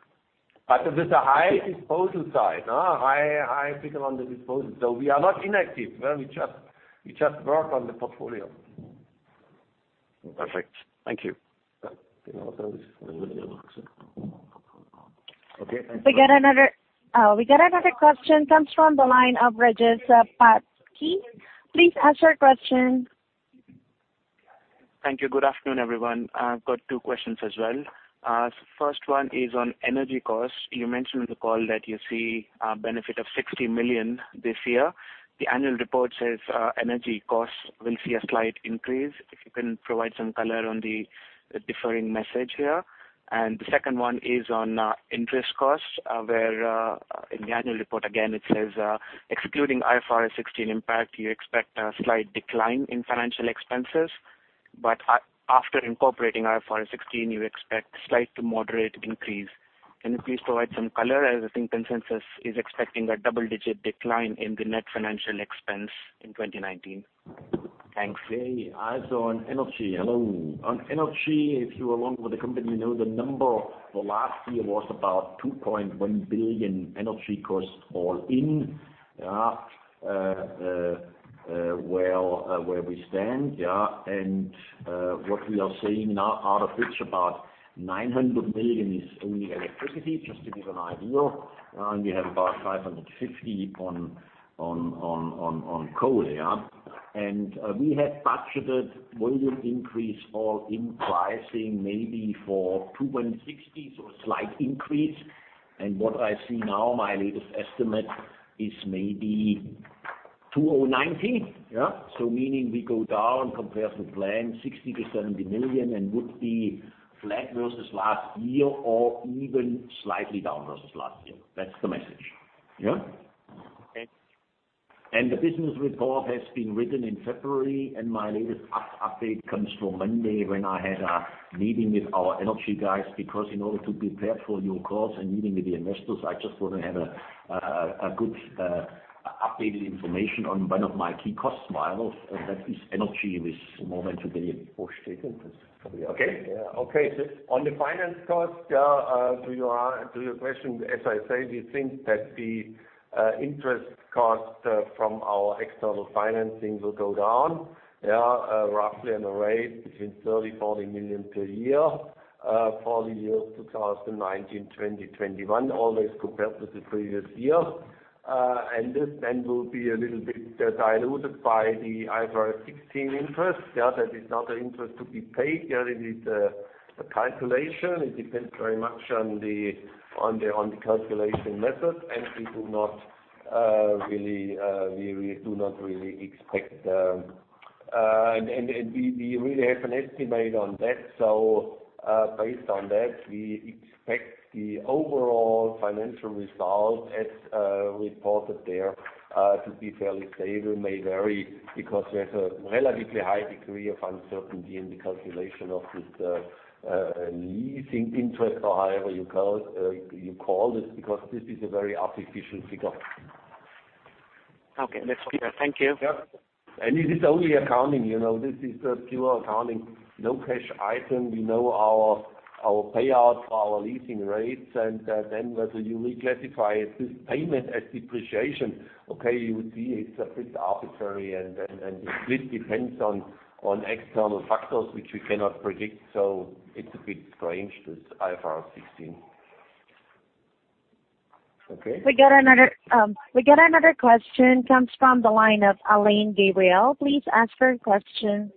With the high disposal side. High figure on the disposal. We are not inactive. We just work on the portfolio. Perfect. Thank you. Okay, thank you. We got another question, comes from the line of Regis Patki. Please ask your question. Thank you. Good afternoon, everyone. I've got two questions as well. First one is on energy costs. You mentioned in the call that you see a benefit of 60 million this year. The annual report says energy costs will see a slight increase. If you can provide some color on the differing message here. The second one is on interest costs, where in the annual report, again, it says excluding IFRS 16 impact, you expect a slight decline in financial expenses. After incorporating IFRS 16, you expect slight to moderate increase. Can you please provide some color, as I think consensus is expecting a double-digit decline in the net financial expense in 2019? Thanks. Also on energy. Hello. On energy, if you are along with the company, you know the number for last year was about 2.1 billion energy costs all in. Where we stand, yeah. What we are seeing now out of which about 900 million is only electricity, just to give an idea. We have about 550 on coal. We had budgeted volume increase all in pricing maybe for 260, so a slight increase. What I see now, my latest estimate is maybe 2019. Meaning we go down compared with plan 60 million-70 million and would be flat versus last year or even slightly down versus last year. That's the message. Yeah? Okay. The business report has been written in February, and my latest update comes from Monday when I had a meeting with our energy guys, because in order to prepare for your calls and meeting with the investors, I just want to have a good Updated information on one of my key cost models, and that is energy, which Okay. On the finance cost, to your question, as I say, we think that the interest cost from our external financing will go down. Roughly on a rate between 30 million-40 million per year for the years 2019, 2021, always compared with the previous year. This then will be a little bit diluted by the IFRS 16 interest. That is not an interest to be paid. It is a calculation. It depends very much on the calculation method. We really have an estimate on that. Based on that, we expect the overall financial result as reported there to be fairly stable, may vary because there's a relatively high degree of uncertainty in the calculation of this leasing interest or however you call this, because this is a very artificial figure. Okay, that's clear. Thank you. Yeah. It is only accounting. This is pure accounting, no cash item. We know our payout for our leasing rates. Whether you reclassify this payment as depreciation, okay, you would see it's a bit arbitrary and this depends on external factors, which we cannot predict. It's a bit strange, this IFRS 16. Okay. We got another question. Comes from the line of Alain Gabriel. Please ask your question.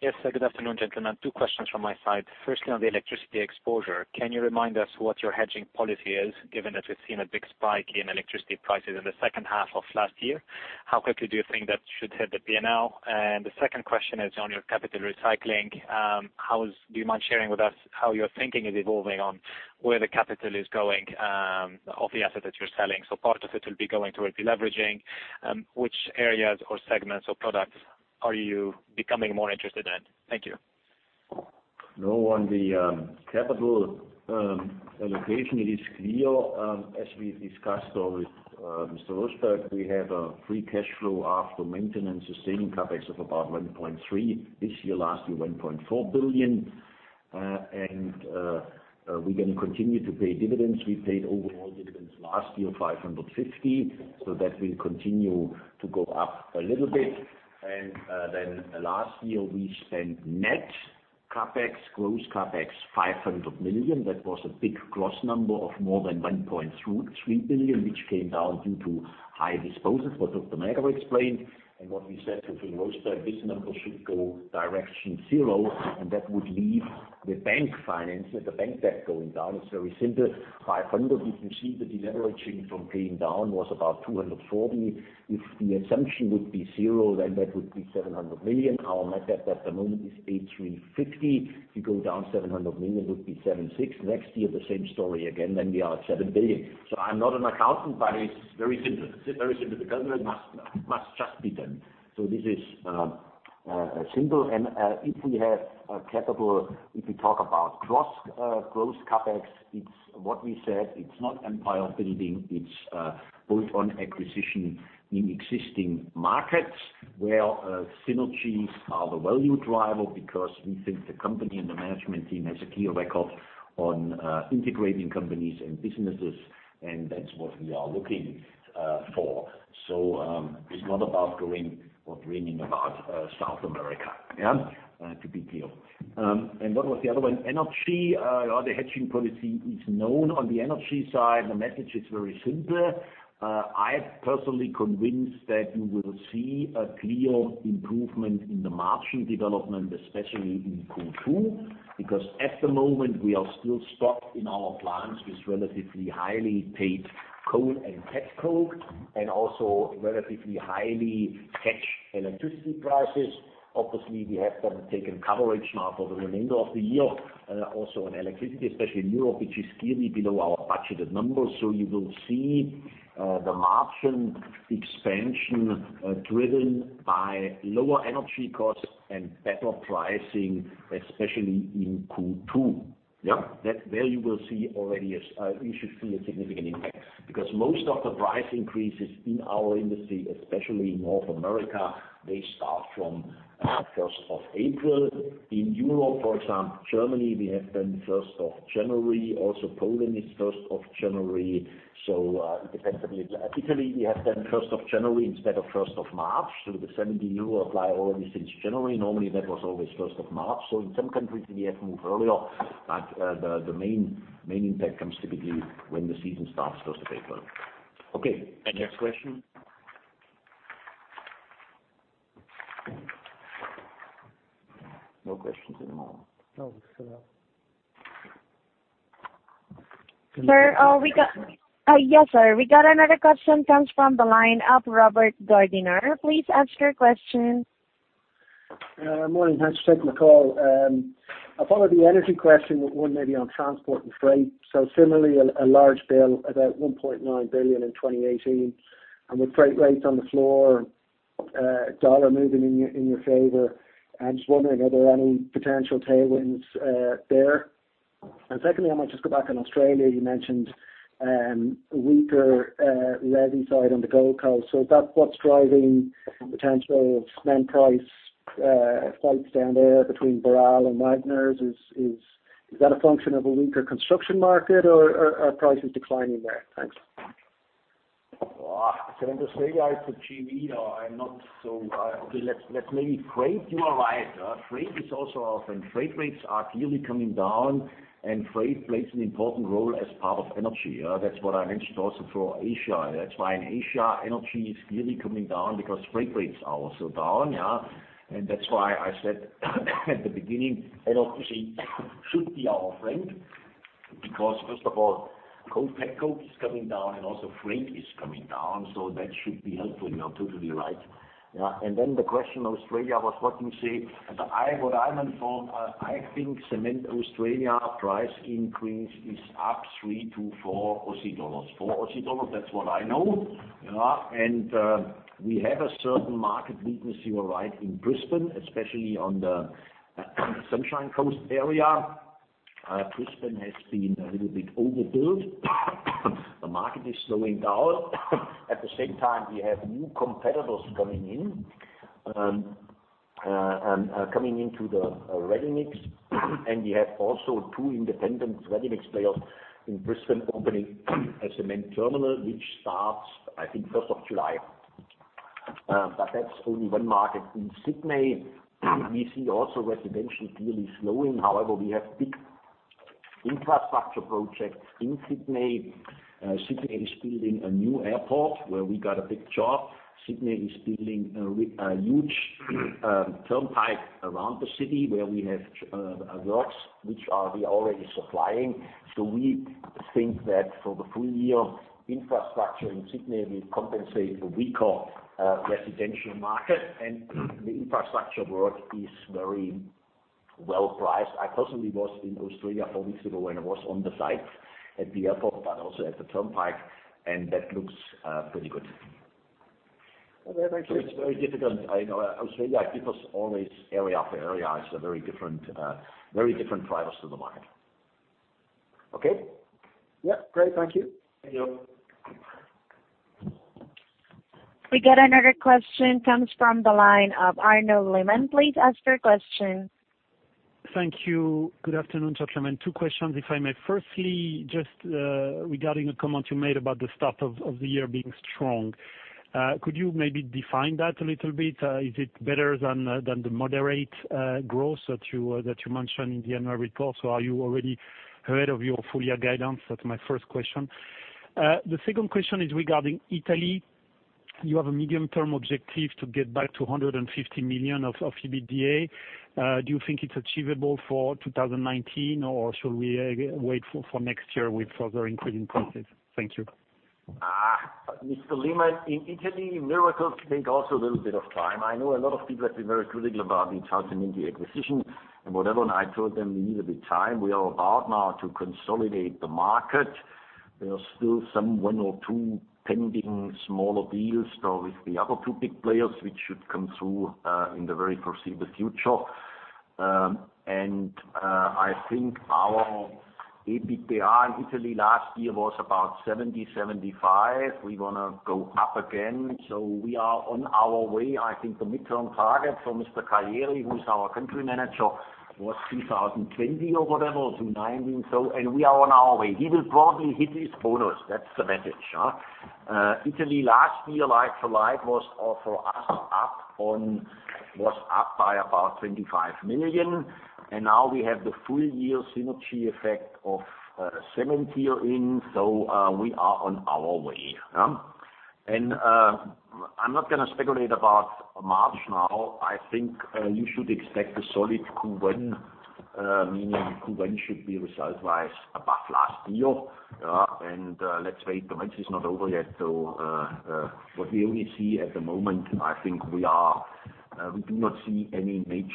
Yes. Good afternoon, gentlemen. Two questions from my side. Firstly, on the electricity exposure, can you remind us what your hedging policy is, given that we've seen a big spike in electricity prices in the second half of last year? How quickly do you think that should hit the P&L? The second question is on your capital recycling. Do you mind sharing with us how your thinking is evolving on where the capital is going of the asset that you're selling? Part of it will be going towards deleveraging. Which areas or segments or products are you becoming more interested in? Thank you. No, on the capital allocation, it is clear, as we discussed with Mr. Roseberg, we have a free cash flow after maintenance, sustaining CapEx of about 1.3 billion this year, last year, 1.4 billion. We're going to continue to pay dividends. We paid overall dividends last year, 550 million. That will continue to go up a little bit. Last year we spent net CapEx, gross CapEx, 500 million. That was a big gross number of more than 1.3 billion, which came down due to high disposals, what Dr. Näger explained. What we said to Mr. Roseberg, this number should go direction zero, and that would leave the bank finance and the bank debt going down. It's very simple. 500 million, you can see the deleveraging from paying down was about 240 million. If the assumption would be zero, then that would be 700 million. Our net debt at the moment is 8,350. If you go down 700 million, it would be 76. Next year, the same story again, then we are at 7 billion. I'm not an accountant, but it's very simple. The government must just be done. This is simple. If we have capital, if we talk about gross CapEx, it's what we said. It's not empire building. It's built on acquisition in existing markets where synergies are the value driver because we think the company and the management team has a clear record on integrating companies and businesses, and that's what we are looking for. It's not about going or dreaming about South America, to be clear. What was the other one? Energy. The hedging policy is known. On the energy side, the message is very simple. I'm personally convinced that you will see a clear improvement in the margin development, especially in Q2, because at the moment, we are still stuck in our plants with relatively highly paid coal and pet coke and also relatively high hedge electricity prices. Obviously, we have then taken coverage now for the remainder of the year, also on electricity, especially in Europe, which is clearly below our budgeted numbers. You will see the margin expansion driven by lower energy costs and better pricing, especially in Q2. There you should see a significant impact, because most of the price increases in our industry, especially in North America, they start from 1st of April. In Europe, for example, Germany, we have done 1st of January. Poland is 1st of January. It depends a little. Italy, we have done 1st of January instead of 1st of March. The same in the EU apply already since January. Normally, that was always 1st of March. In some countries, we have moved earlier. The main impact comes typically when the season starts, 1st of April. Okay. Any next question? No questions anymore. No. Sir, we got another question. Comes from the line of Robert Gardiner. Please ask your question. Morning. Thanks for taking the call. I follow the energy question with one maybe on transport and freight. Similarly, a large bill, about 1.9 billion in 2018. With freight rates on the floor, U.S. dollar moving in your favor. I'm just wondering, are there any potential tailwinds there? Secondly, I might just go back on Australia, you mentioned weaker ready-mix on the Gold Coast. Is that what's driving potential of cement price fights down there between Boral and Wagners? Is that a function of a weaker construction market or are prices declining there? Thanks. Can I just say, to GV, Freight, you are right. Freight is also our friend. Freight rates are clearly coming down, and freight plays an important role as part of energy. That's what I mentioned also for Asia. That's why in Asia, energy is clearly coming down because freight rates are also down. That's why I said at the beginning, head of PC should be our friend, because first of all, coal, pet coke is coming down and also freight is coming down, so that should be helpful. You're totally right. Then the question on Australia was what you say, what I'm informed, I think Cement Australia price increase is up 3 to 4 dollars. 4 dollars, that's what I know. We have a certain market weakness, you are right, in Brisbane, especially on the Sunshine Coast area. Brisbane has been a little bit overbuilt. The market is slowing down. At the same time, we have new competitors coming in, coming into the ready-mix. We have also two independent ready-mix players in Brisbane opening a cement terminal, which starts, I think, 1st of July. That's only one market. In Sydney, we see also residential clearly slowing. However, we have big infrastructure projects in Sydney. Sydney is building a new airport where we got a big job. Sydney is building a huge turnpike around the city where we have works which we are already supplying. We think that for the full year infrastructure in Sydney will compensate the weaker residential market and the infrastructure work is very well priced. I personally was in Australia four weeks ago when I was on the site at the airport, but also at the turnpike, and that looks pretty good. Actually it's very difficult. I know Australia, because always area after area has a very different drivers to the market. Okay? Yeah. Great. Thank you. Thank you. We get another question, comes from the line of Arnaud Lehmann. Please ask your question. Thank you. Good afternoon, gentlemen. Two questions, if I may. Firstly, just regarding a comment you made about the start of the year being strong. Could you maybe define that a little bit? Is it better than the moderate growth that you mentioned in the annual report? Are you already ahead of your full year guidance? That's my first question. The second question is regarding Italy. You have a medium-term objective to get back to 150 million of EBITDA. Do you think it's achievable for 2019, or should we wait for next year with further increase in prices? Thank you. Mr. Lehmann, in Italy, miracles take also a little bit of time. I know a lot of people have been very critical about the Italcementi acquisition and whatever, I told them we need a bit of time. We are about now to consolidate the market. There are still some one or two pending smaller deals, though, with the other two big players, which should come through in the very foreseeable future. I think our EBITDA in Italy last year was about 70 million-75 million. We want to go up again. We are on our way. I think the mid-term target for Mr. Callieri, who is our country manager, was 2020 or whatever, or 2019. We are on our way. He will probably hit his bonus, that is the message. Italy last year, like-for-like, was up by about 25 million. Now we have the full year synergy effect of Cementir in, we are on our way. I am not going to speculate about March now. I think you should expect a solid Q1, meaning Q1 should be result-wise above last year. Let us wait, the match is not over yet. What we only see at the moment, I think we do not see any major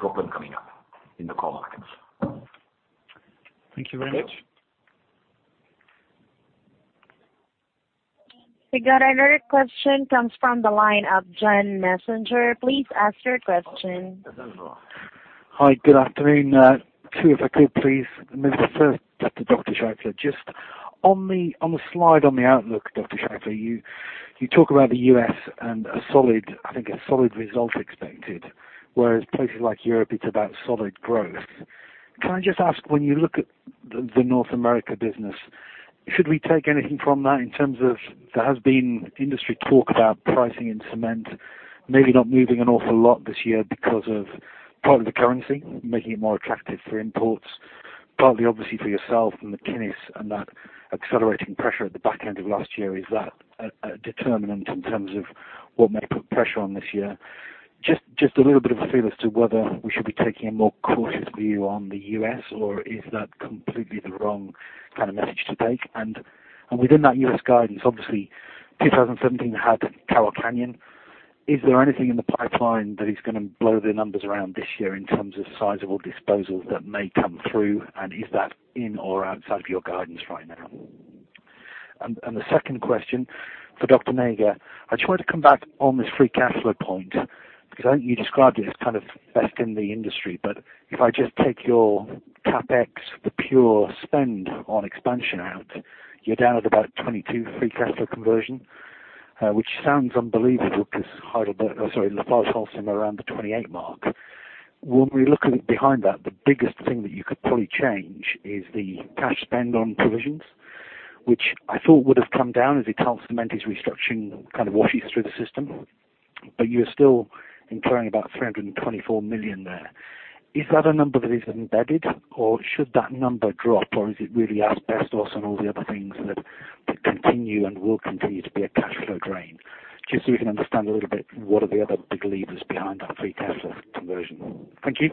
problem coming up in the core markets. Thank you very much. Okay. We got another question, comes from the line of Jen Messenger. Please ask your question. Hi. Good afternoon. Two, if I could, please. Maybe the first to Dr. Scheifele. Just on the slide on the outlook, Dr. Scheifele, you talk about the U.S. and I think a solid result expected, whereas places like Europe, it's about solid growth. Can I just ask, when you look at the North America business, should we take anything from that in terms of, there has been industry talk about pricing in cement maybe not moving an awful lot this year because of part of the currency making it more attractive for imports, partly obviously for yourself and McInnis and that accelerating pressure at the back end of last year, is that a determinant in terms of what may put pressure on this year? Just a little bit of a feel as to whether we should be taking a more cautious view on the U.S. or is that completely the wrong kind of message to take? Within that U.S. guidance, obviously 2017 had Carroll Canyon. Is there anything in the pipeline that is going to blow the numbers around this year in terms of sizable disposals that may come through? Is that in or outside of your guidance right now? The second question for Dr. Näger. I just wanted to come back on this free cash flow point, because I think you described it as best in the industry. If I just take your CapEx, the pure spend on expansion out, you're down at about 22 free cash flow conversion, which sounds unbelievable because LafargeHolcim around the 28 mark. When we look behind that, the biggest thing that you could probably change is the cash spend on provisions, which I thought would have come down as the cement restructuring kind of washes through the system. You're still implying about 324 million there. Is that a number that is embedded, or should that number drop? Is it really asbestos and all the other things that continue and will continue to be a cash flow drain? Just so we can understand a little bit what are the other big levers behind that free cash flow conversion. Thank you.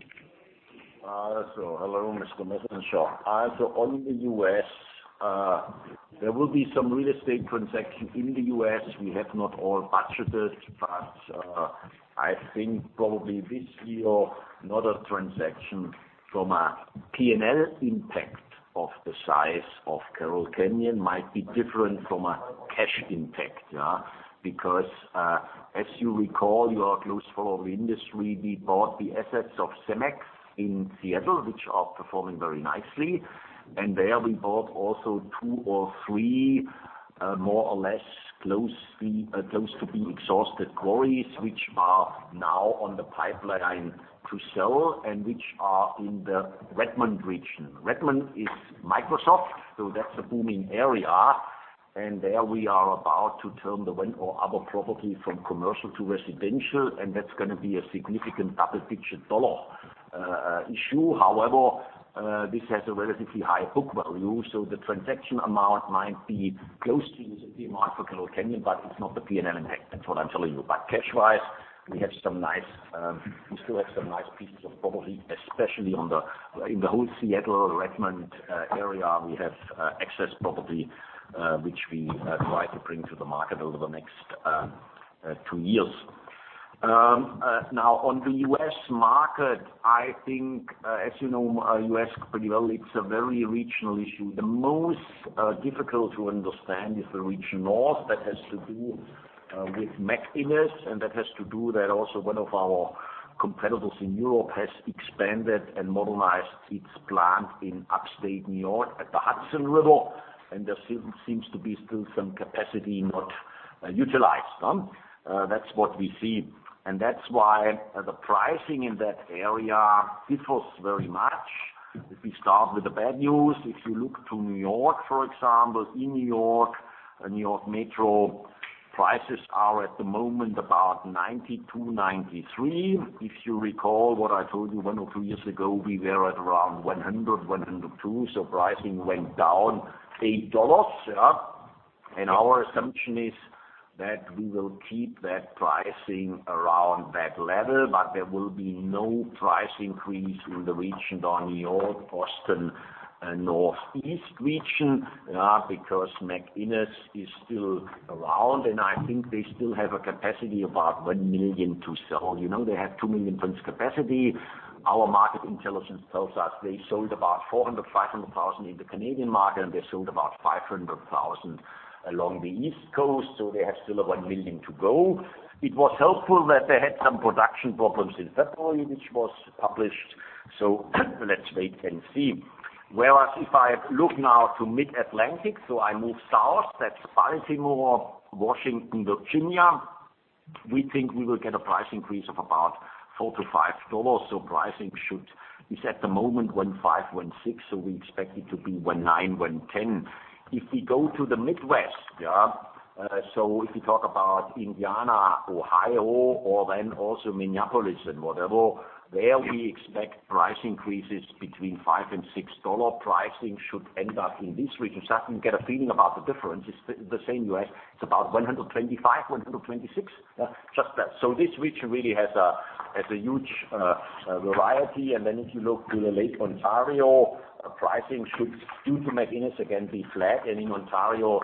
Hello, Mr. Messenger. On the U.S., there will be some real estate transactions in the U.S. We have not all budgeted, but I think probably this year, not a transaction from a P&L impact of the size of Carroll Canyon might be different from a cash impact. As you recall, you are a close follower of the industry, we bought the assets of Cemex in Seattle, which are performing very nicely. There we bought also two or three, more or less close to being exhausted quarries, which are now on the pipeline to sell and which are in the Redmond region. Redmond is Microsoft, so that's a booming area. There we are about to turn the one or other property from commercial to residential, and that's going to be a significant double-digit dollar issue. This has a relatively high book value, the transaction amount might be close to the amount for Carroll Canyon, but it's not the P&L impact. That's what I'm telling you. Cash-wise, we still have some nice pieces of property, especially in the whole Seattle, Redmond area, we have excess property, which we try to bring to the market over the next two years. On the U.S. market, I think, as you know U.S. pretty well, it's a very regional issue. The most difficult to understand is the Region North. That has to do with McInnis, and that has to do that also one of our competitors in Europe has expanded and modernized its plant in upstate New York at the Hudson River, and there seems to be still some capacity not utilized. That's what we see. That's why the pricing in that area differs very much. If we start with the bad news, if you look to New York, for example, in New York, New York Metro prices are at the moment about $92, $93. If you recall what I told you one or two years ago, we were at around $100, $102. Pricing went down $8. Our assumption is that we will keep that pricing around that level, but there will be no price increase in the region down New York, Boston, Northeast region because McInnis is still around, and I think they still have a capacity about $1 million to sell. They have 2 million tons capacity. Our market intelligence tells us they sold about 400,000, 500,000 in the Canadian market, and they sold about 500,000 along the East Coast, they have still 1 million to go. It was helpful that they had some production problems in February, which was published. Let's wait and see. Whereas if I look now to Mid-Atlantic, I move south, that's Baltimore, Washington, Virginia. We think we will get a price increase of about $4-$5. Pricing should-- It's at the moment $105, $106, we expect it to be $109, $1010. If we go to the Midwest, if we talk about Indiana, Ohio, or also Minneapolis and whatever, there we expect price increases between $5-$6. Pricing should end up in this region. That you get a feeling about the difference. It's the same way. It's about $125, $126. Just that. This region really has a huge variety. If you look to the Lake Ontario, pricing should, due to McInnis again, be flat. In Ontario,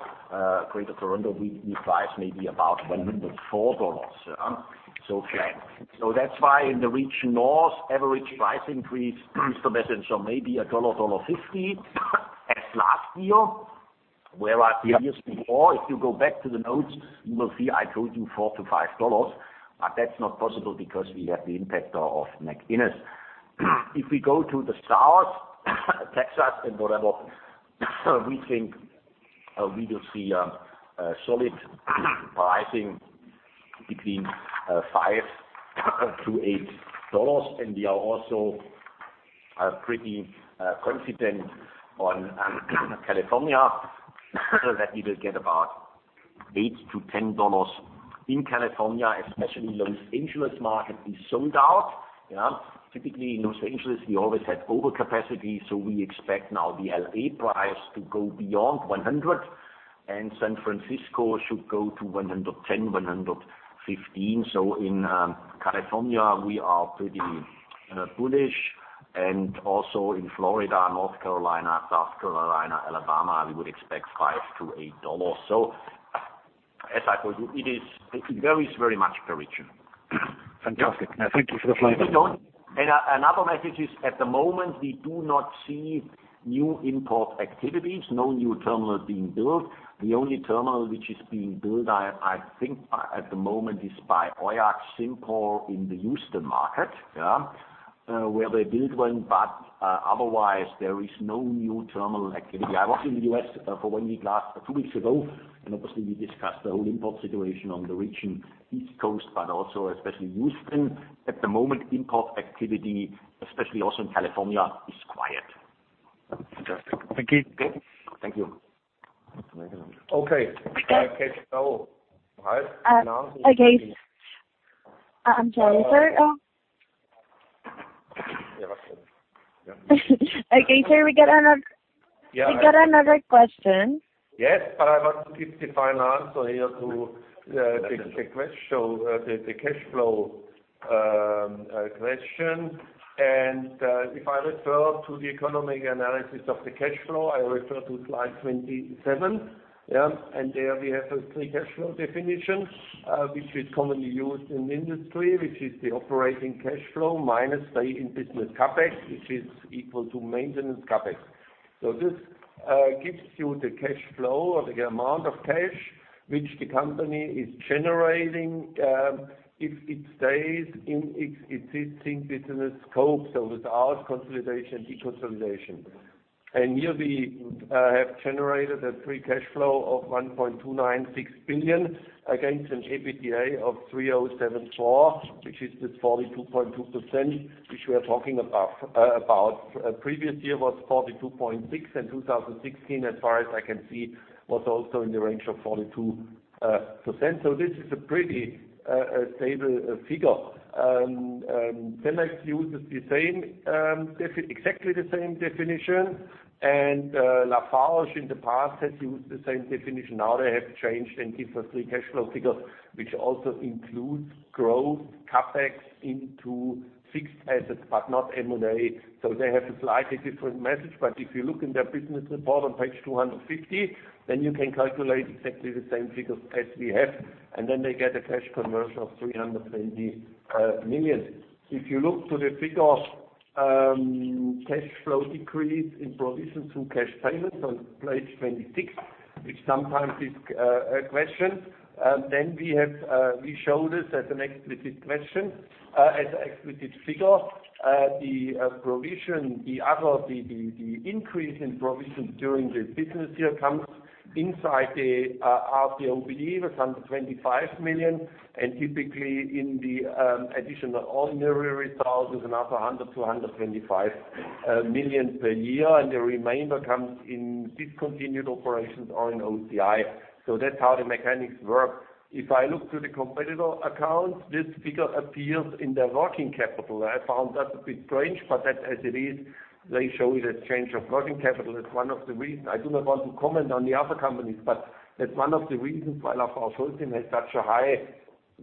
Greater Toronto, we price maybe about $104. Flat. That's why in the Region North, average price increase, Mr. Messenger, may be $1, $1.50 as last year. Whereas the years before, if you go back to the notes, you will see I told you $4-$5, that's not possible because we have the impact of McInnis. If we go to the South, Texas and whatever, we think we will see a solid pricing between $5-$8 and we are also pretty confident on California that we will get about $8-$10 in California, especially Los Angeles market is sold out. Typically in L.A., we always had overcapacity, so we expect now the L.A. price to go beyond $100, and San Francisco should go to $110, $115. As I told you, it varies very much per region. In Florida, North Carolina, South Carolina, Alabama, we would expect $5 to $8. Fantastic. Thank you for the clarification. Another message is, at the moment, we do not see new import activities, no new terminal being built. The only terminal which is being built, I think at the moment is by Oax Import in the Houston market, where they build one, but otherwise there is no new terminal activity. I was in the U.S. two weeks ago, and obviously we discussed the whole import situation on the region East Coast, but also especially Houston. At the moment, import activity, especially also in California, is quiet. Fantastic. Thank you. Thank you. Okay. Okay. I'm sorry, sir. Okay, sir, we got another question. Yes, I want to give the final answer here to the cash flow question. If I refer to the economic analysis of the cash flow, I refer to slide 27. There we have a free cash flow definition, which is commonly used in industry, which is the operating cash flow minus stay in business CapEx, which is equal to maintenance CapEx. This gives you the cash flow or the amount of cash which the company is generating if it stays in its existing business scope, without consolidation, deconsolidation. Here we have generated a free cash flow of 1.296 billion against an EBITDA of 3,074, which is this 42.2%, which we are talking about. Previous year was 42.6%, and 2016, as far as I can see, was also in the range of 42%. This is a pretty stable figure. Cemex uses exactly the same definition. Lafarge in the past has used the same definition. Now they have changed and give a free cash flow figure, which also includes growth CapEx into fixed assets, but not M&A. They have a slightly different message. If you look in their business report on page 250, you can calculate exactly the same figures as we have, they get a cash conversion of 320 million. If you look to the figure cash flow decrease in provision to cash payments on page 26, which sometimes is a question, we show this as an explicit figure. The increase in provision during the business year comes inside the RCOBD of 125 million, and typically in the additional ordinary results, another 100 million to 125 million per year. The remainder comes in discontinued operations or in OCI. That's how the mechanics work. If I look to the competitor accounts, this figure appears in their working capital. I found that a bit strange, but that as it is, they show it as change of working capital. I do not want to comment on the other companies, but that's one of the reasons why LafargeHolcim has such a high,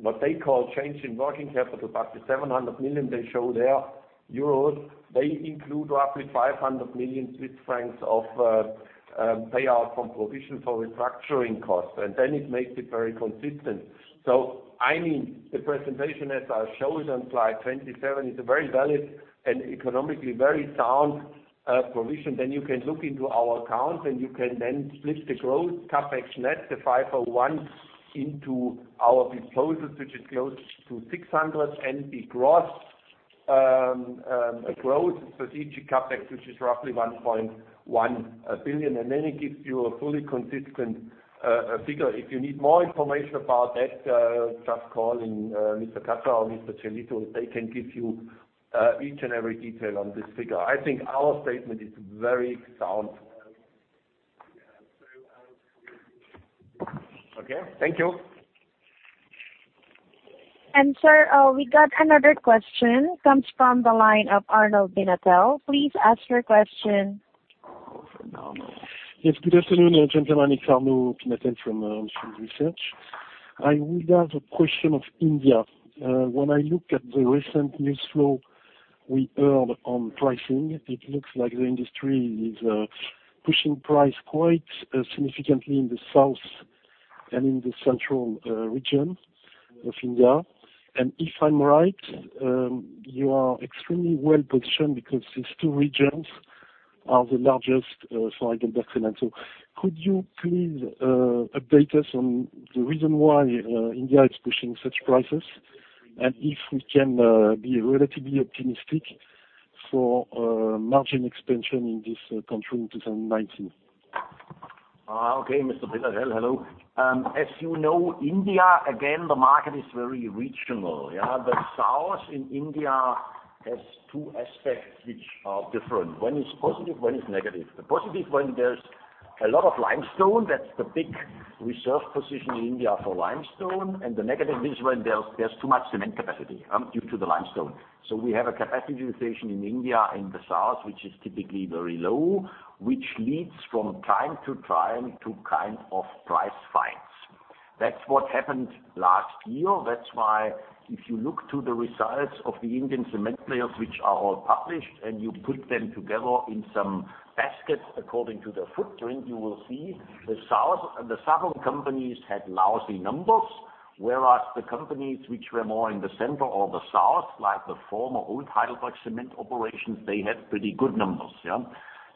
what they call change in working capital, but the 700 million they show there, they include roughly 500 million Swiss francs of payout from provision for restructuring costs. Then it makes it very consistent. The presentation as I showed on slide 27 is a very valid and economically very sound provision. Then you can look into our accounts, and you can then split the growth CapEx net, the 501, into our disposals, which is close to 600 and the gross growth strategic CapEx, which is roughly 1.1 billion, then it gives you a fully consistent figure. If you need more information about that, just call in Mr. Castro or Mr. Jelito. They can give you each and every detail on this figure. I think our statement is very sound. Okay. Thank you. Sir, we got another question. Comes from the line of Arnaud Pinatel. Please ask your question. Yes. Good afternoon, gentlemen. It's Arnaud Pinatel from On Field Research. I would have a question of India. When I look at the recent news flow we heard on pricing, it looks like the industry is pushing price quite significantly in the south and in the central region of India. If I'm right, you are extremely well-positioned because these two regions are the largest for HeidelbergCement. Could you please update us on the reason why India is pushing such prices and if we can be relatively optimistic for margin expansion in this country in 2019? Okay, Mr. Pinatel. Hello. As you know, India, again, the market is very regional. The south in India has two aspects which are different. One is positive, one is negative. The positive one, there's a lot of limestone. That's the big reserve position in India for limestone. The negative is when there's too much cement capacity due to the limestone. We have a capacity utilization in India, in the south, which is typically very low, which leads from time to time to kind of price fights. That's what happened last year. That's why if you look to the results of the Indian cement players, which are all published, you put them together in some baskets according to their footprint, you will see the southern companies had lousy numbers. Whereas the companies which were more in the center or the south, like the former old HeidelbergCement operations, they had pretty good numbers.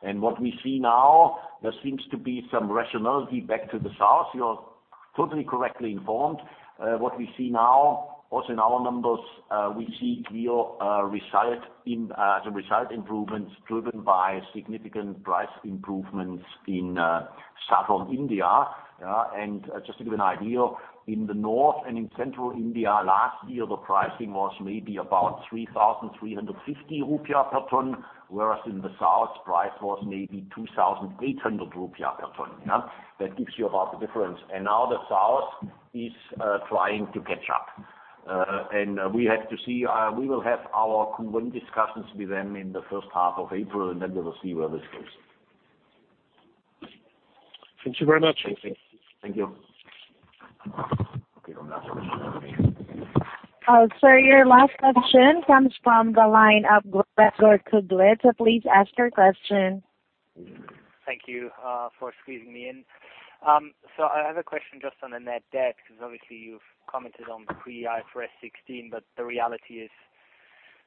What we see now, there seems to be some rationality back to the south. You're totally correctly informed. What we see now, also in our numbers, we see clear result improvements driven by significant price improvements in southern India. Just to give you an idea, in the north and in central India last year, the pricing was maybe about INR 3,350 per ton, whereas in the south price was maybe INR 2,800 per ton. That gives you about the difference. Now the south is trying to catch up. We will have our current discussions with them in the first half of April, then we will see where this goes. Thank you very much. Thank you. Sir, your last question comes from the line of Gregor Kukic. Please ask your question. Thank you for squeezing me in. I have a question just on the net debt, because obviously you've commented on the pre IFRS 16, but the reality is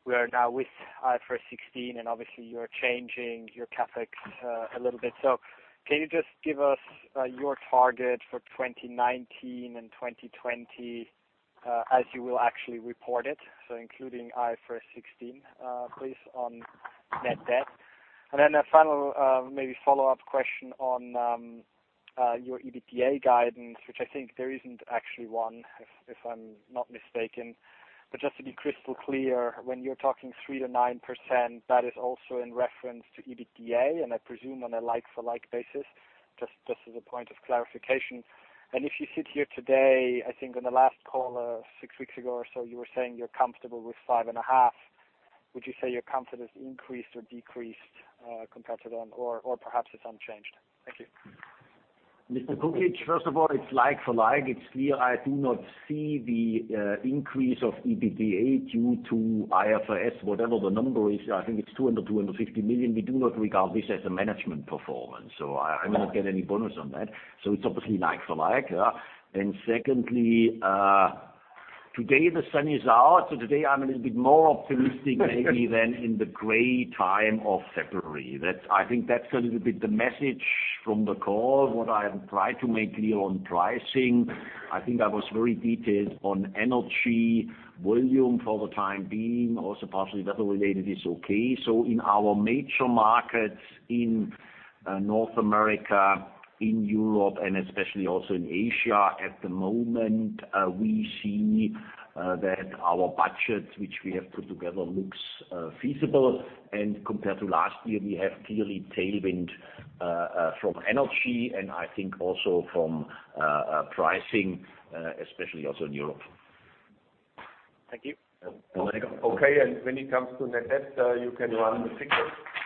we are now with IFRS 16, and obviously you're changing your CapEx a little bit. Can you just give us your target for 2019 and 2020 as you will actually report it, so including IFRS 16 please on net debt? Then a final maybe follow-up question on your EBITDA guidance, which I think there isn't actually one, if I'm not mistaken. Just to be crystal clear, when you're talking 3%-9%, that is also in reference to EBITDA, and I presume on a like for like basis, just as a point of clarification. If you sit here today, I think on the last call 6 weeks ago or so, you were saying you're comfortable with 5.5. Would you say your confidence increased or decreased, competitive or perhaps it's unchanged? Thank you. Mr. Kukic. First of all, it's like for like, it's clear I do not see the increase of EBITDA due to IFRS. Whatever the number is, I think it's 200 million, 250 million. We do not regard this as a management performance, so I will not get any bonus on that. It's obviously like for like. Secondly, today the sun is out. Today I'm a little bit more optimistic maybe than in the gray time of February. I think that's a little bit the message from the call. What I have tried to make clear on pricing, I think I was very detailed on energy, volume for the time being, also partially weather-related is okay. In our major markets in North America, in Europe and especially also in Asia, at the moment we see that our budgets which we have put together looks feasible and compared to last year, we have clearly tailwind from energy and I think also from pricing, especially also in Europe. Thank you. Okay. When it comes to net debt, you can run the figures. I think we have tried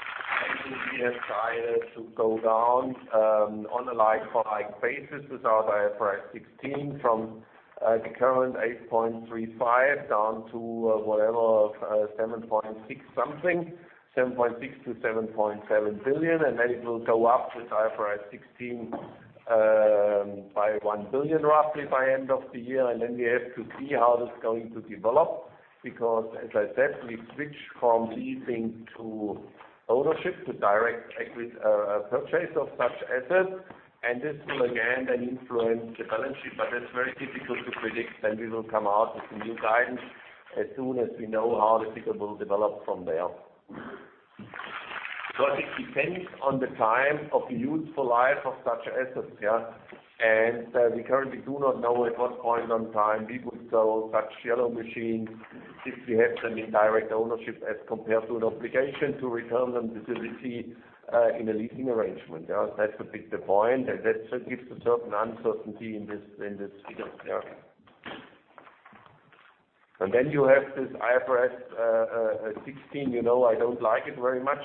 to go down on a like-for-like basis without IFRS 16 from the current 8.35 down to whatever, 7.6 something, 7.6 billion-7.7 billion. It will go up with IFRS 16 by 1 billion roughly by end of the year. We have to see how this going to develop because as I said, we switch from leasing to ownership to direct equity purchase of such assets. This will again then influence the balance sheet. That's very difficult to predict. We will come out with the new guidance as soon as we know how the figure will develop from there. It depends on the time of the useful life of such assets. Yeah. We currently do not know at what point on time we would sell such yellow machines if we have them in direct ownership as compared to an obligation to return them to the lessee in a leasing arrangement. That's a bit the point, that gives a certain uncertainty in this figure. Yeah. You have this IFRS 16, you know I don't like it very much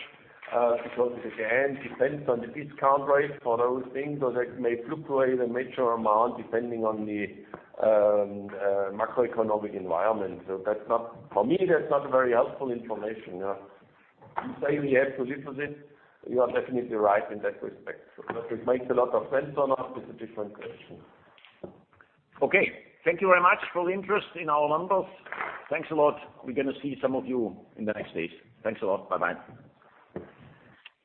because it again depends on the discount rate for those things. That may fluctuate a major amount depending on the macroeconomic environment. For me, that's not very helpful information. You say we have to live with it. You are definitely right in that respect. Whether it makes a lot of sense or not is a different question. Okay. Thank you very much for the interest in our numbers. Thanks a lot. We're going to see some of you in the next days. Thanks a lot.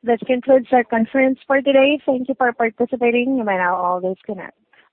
Bye bye. That concludes our conference for today. Thank you for participating. You may now all disconnect.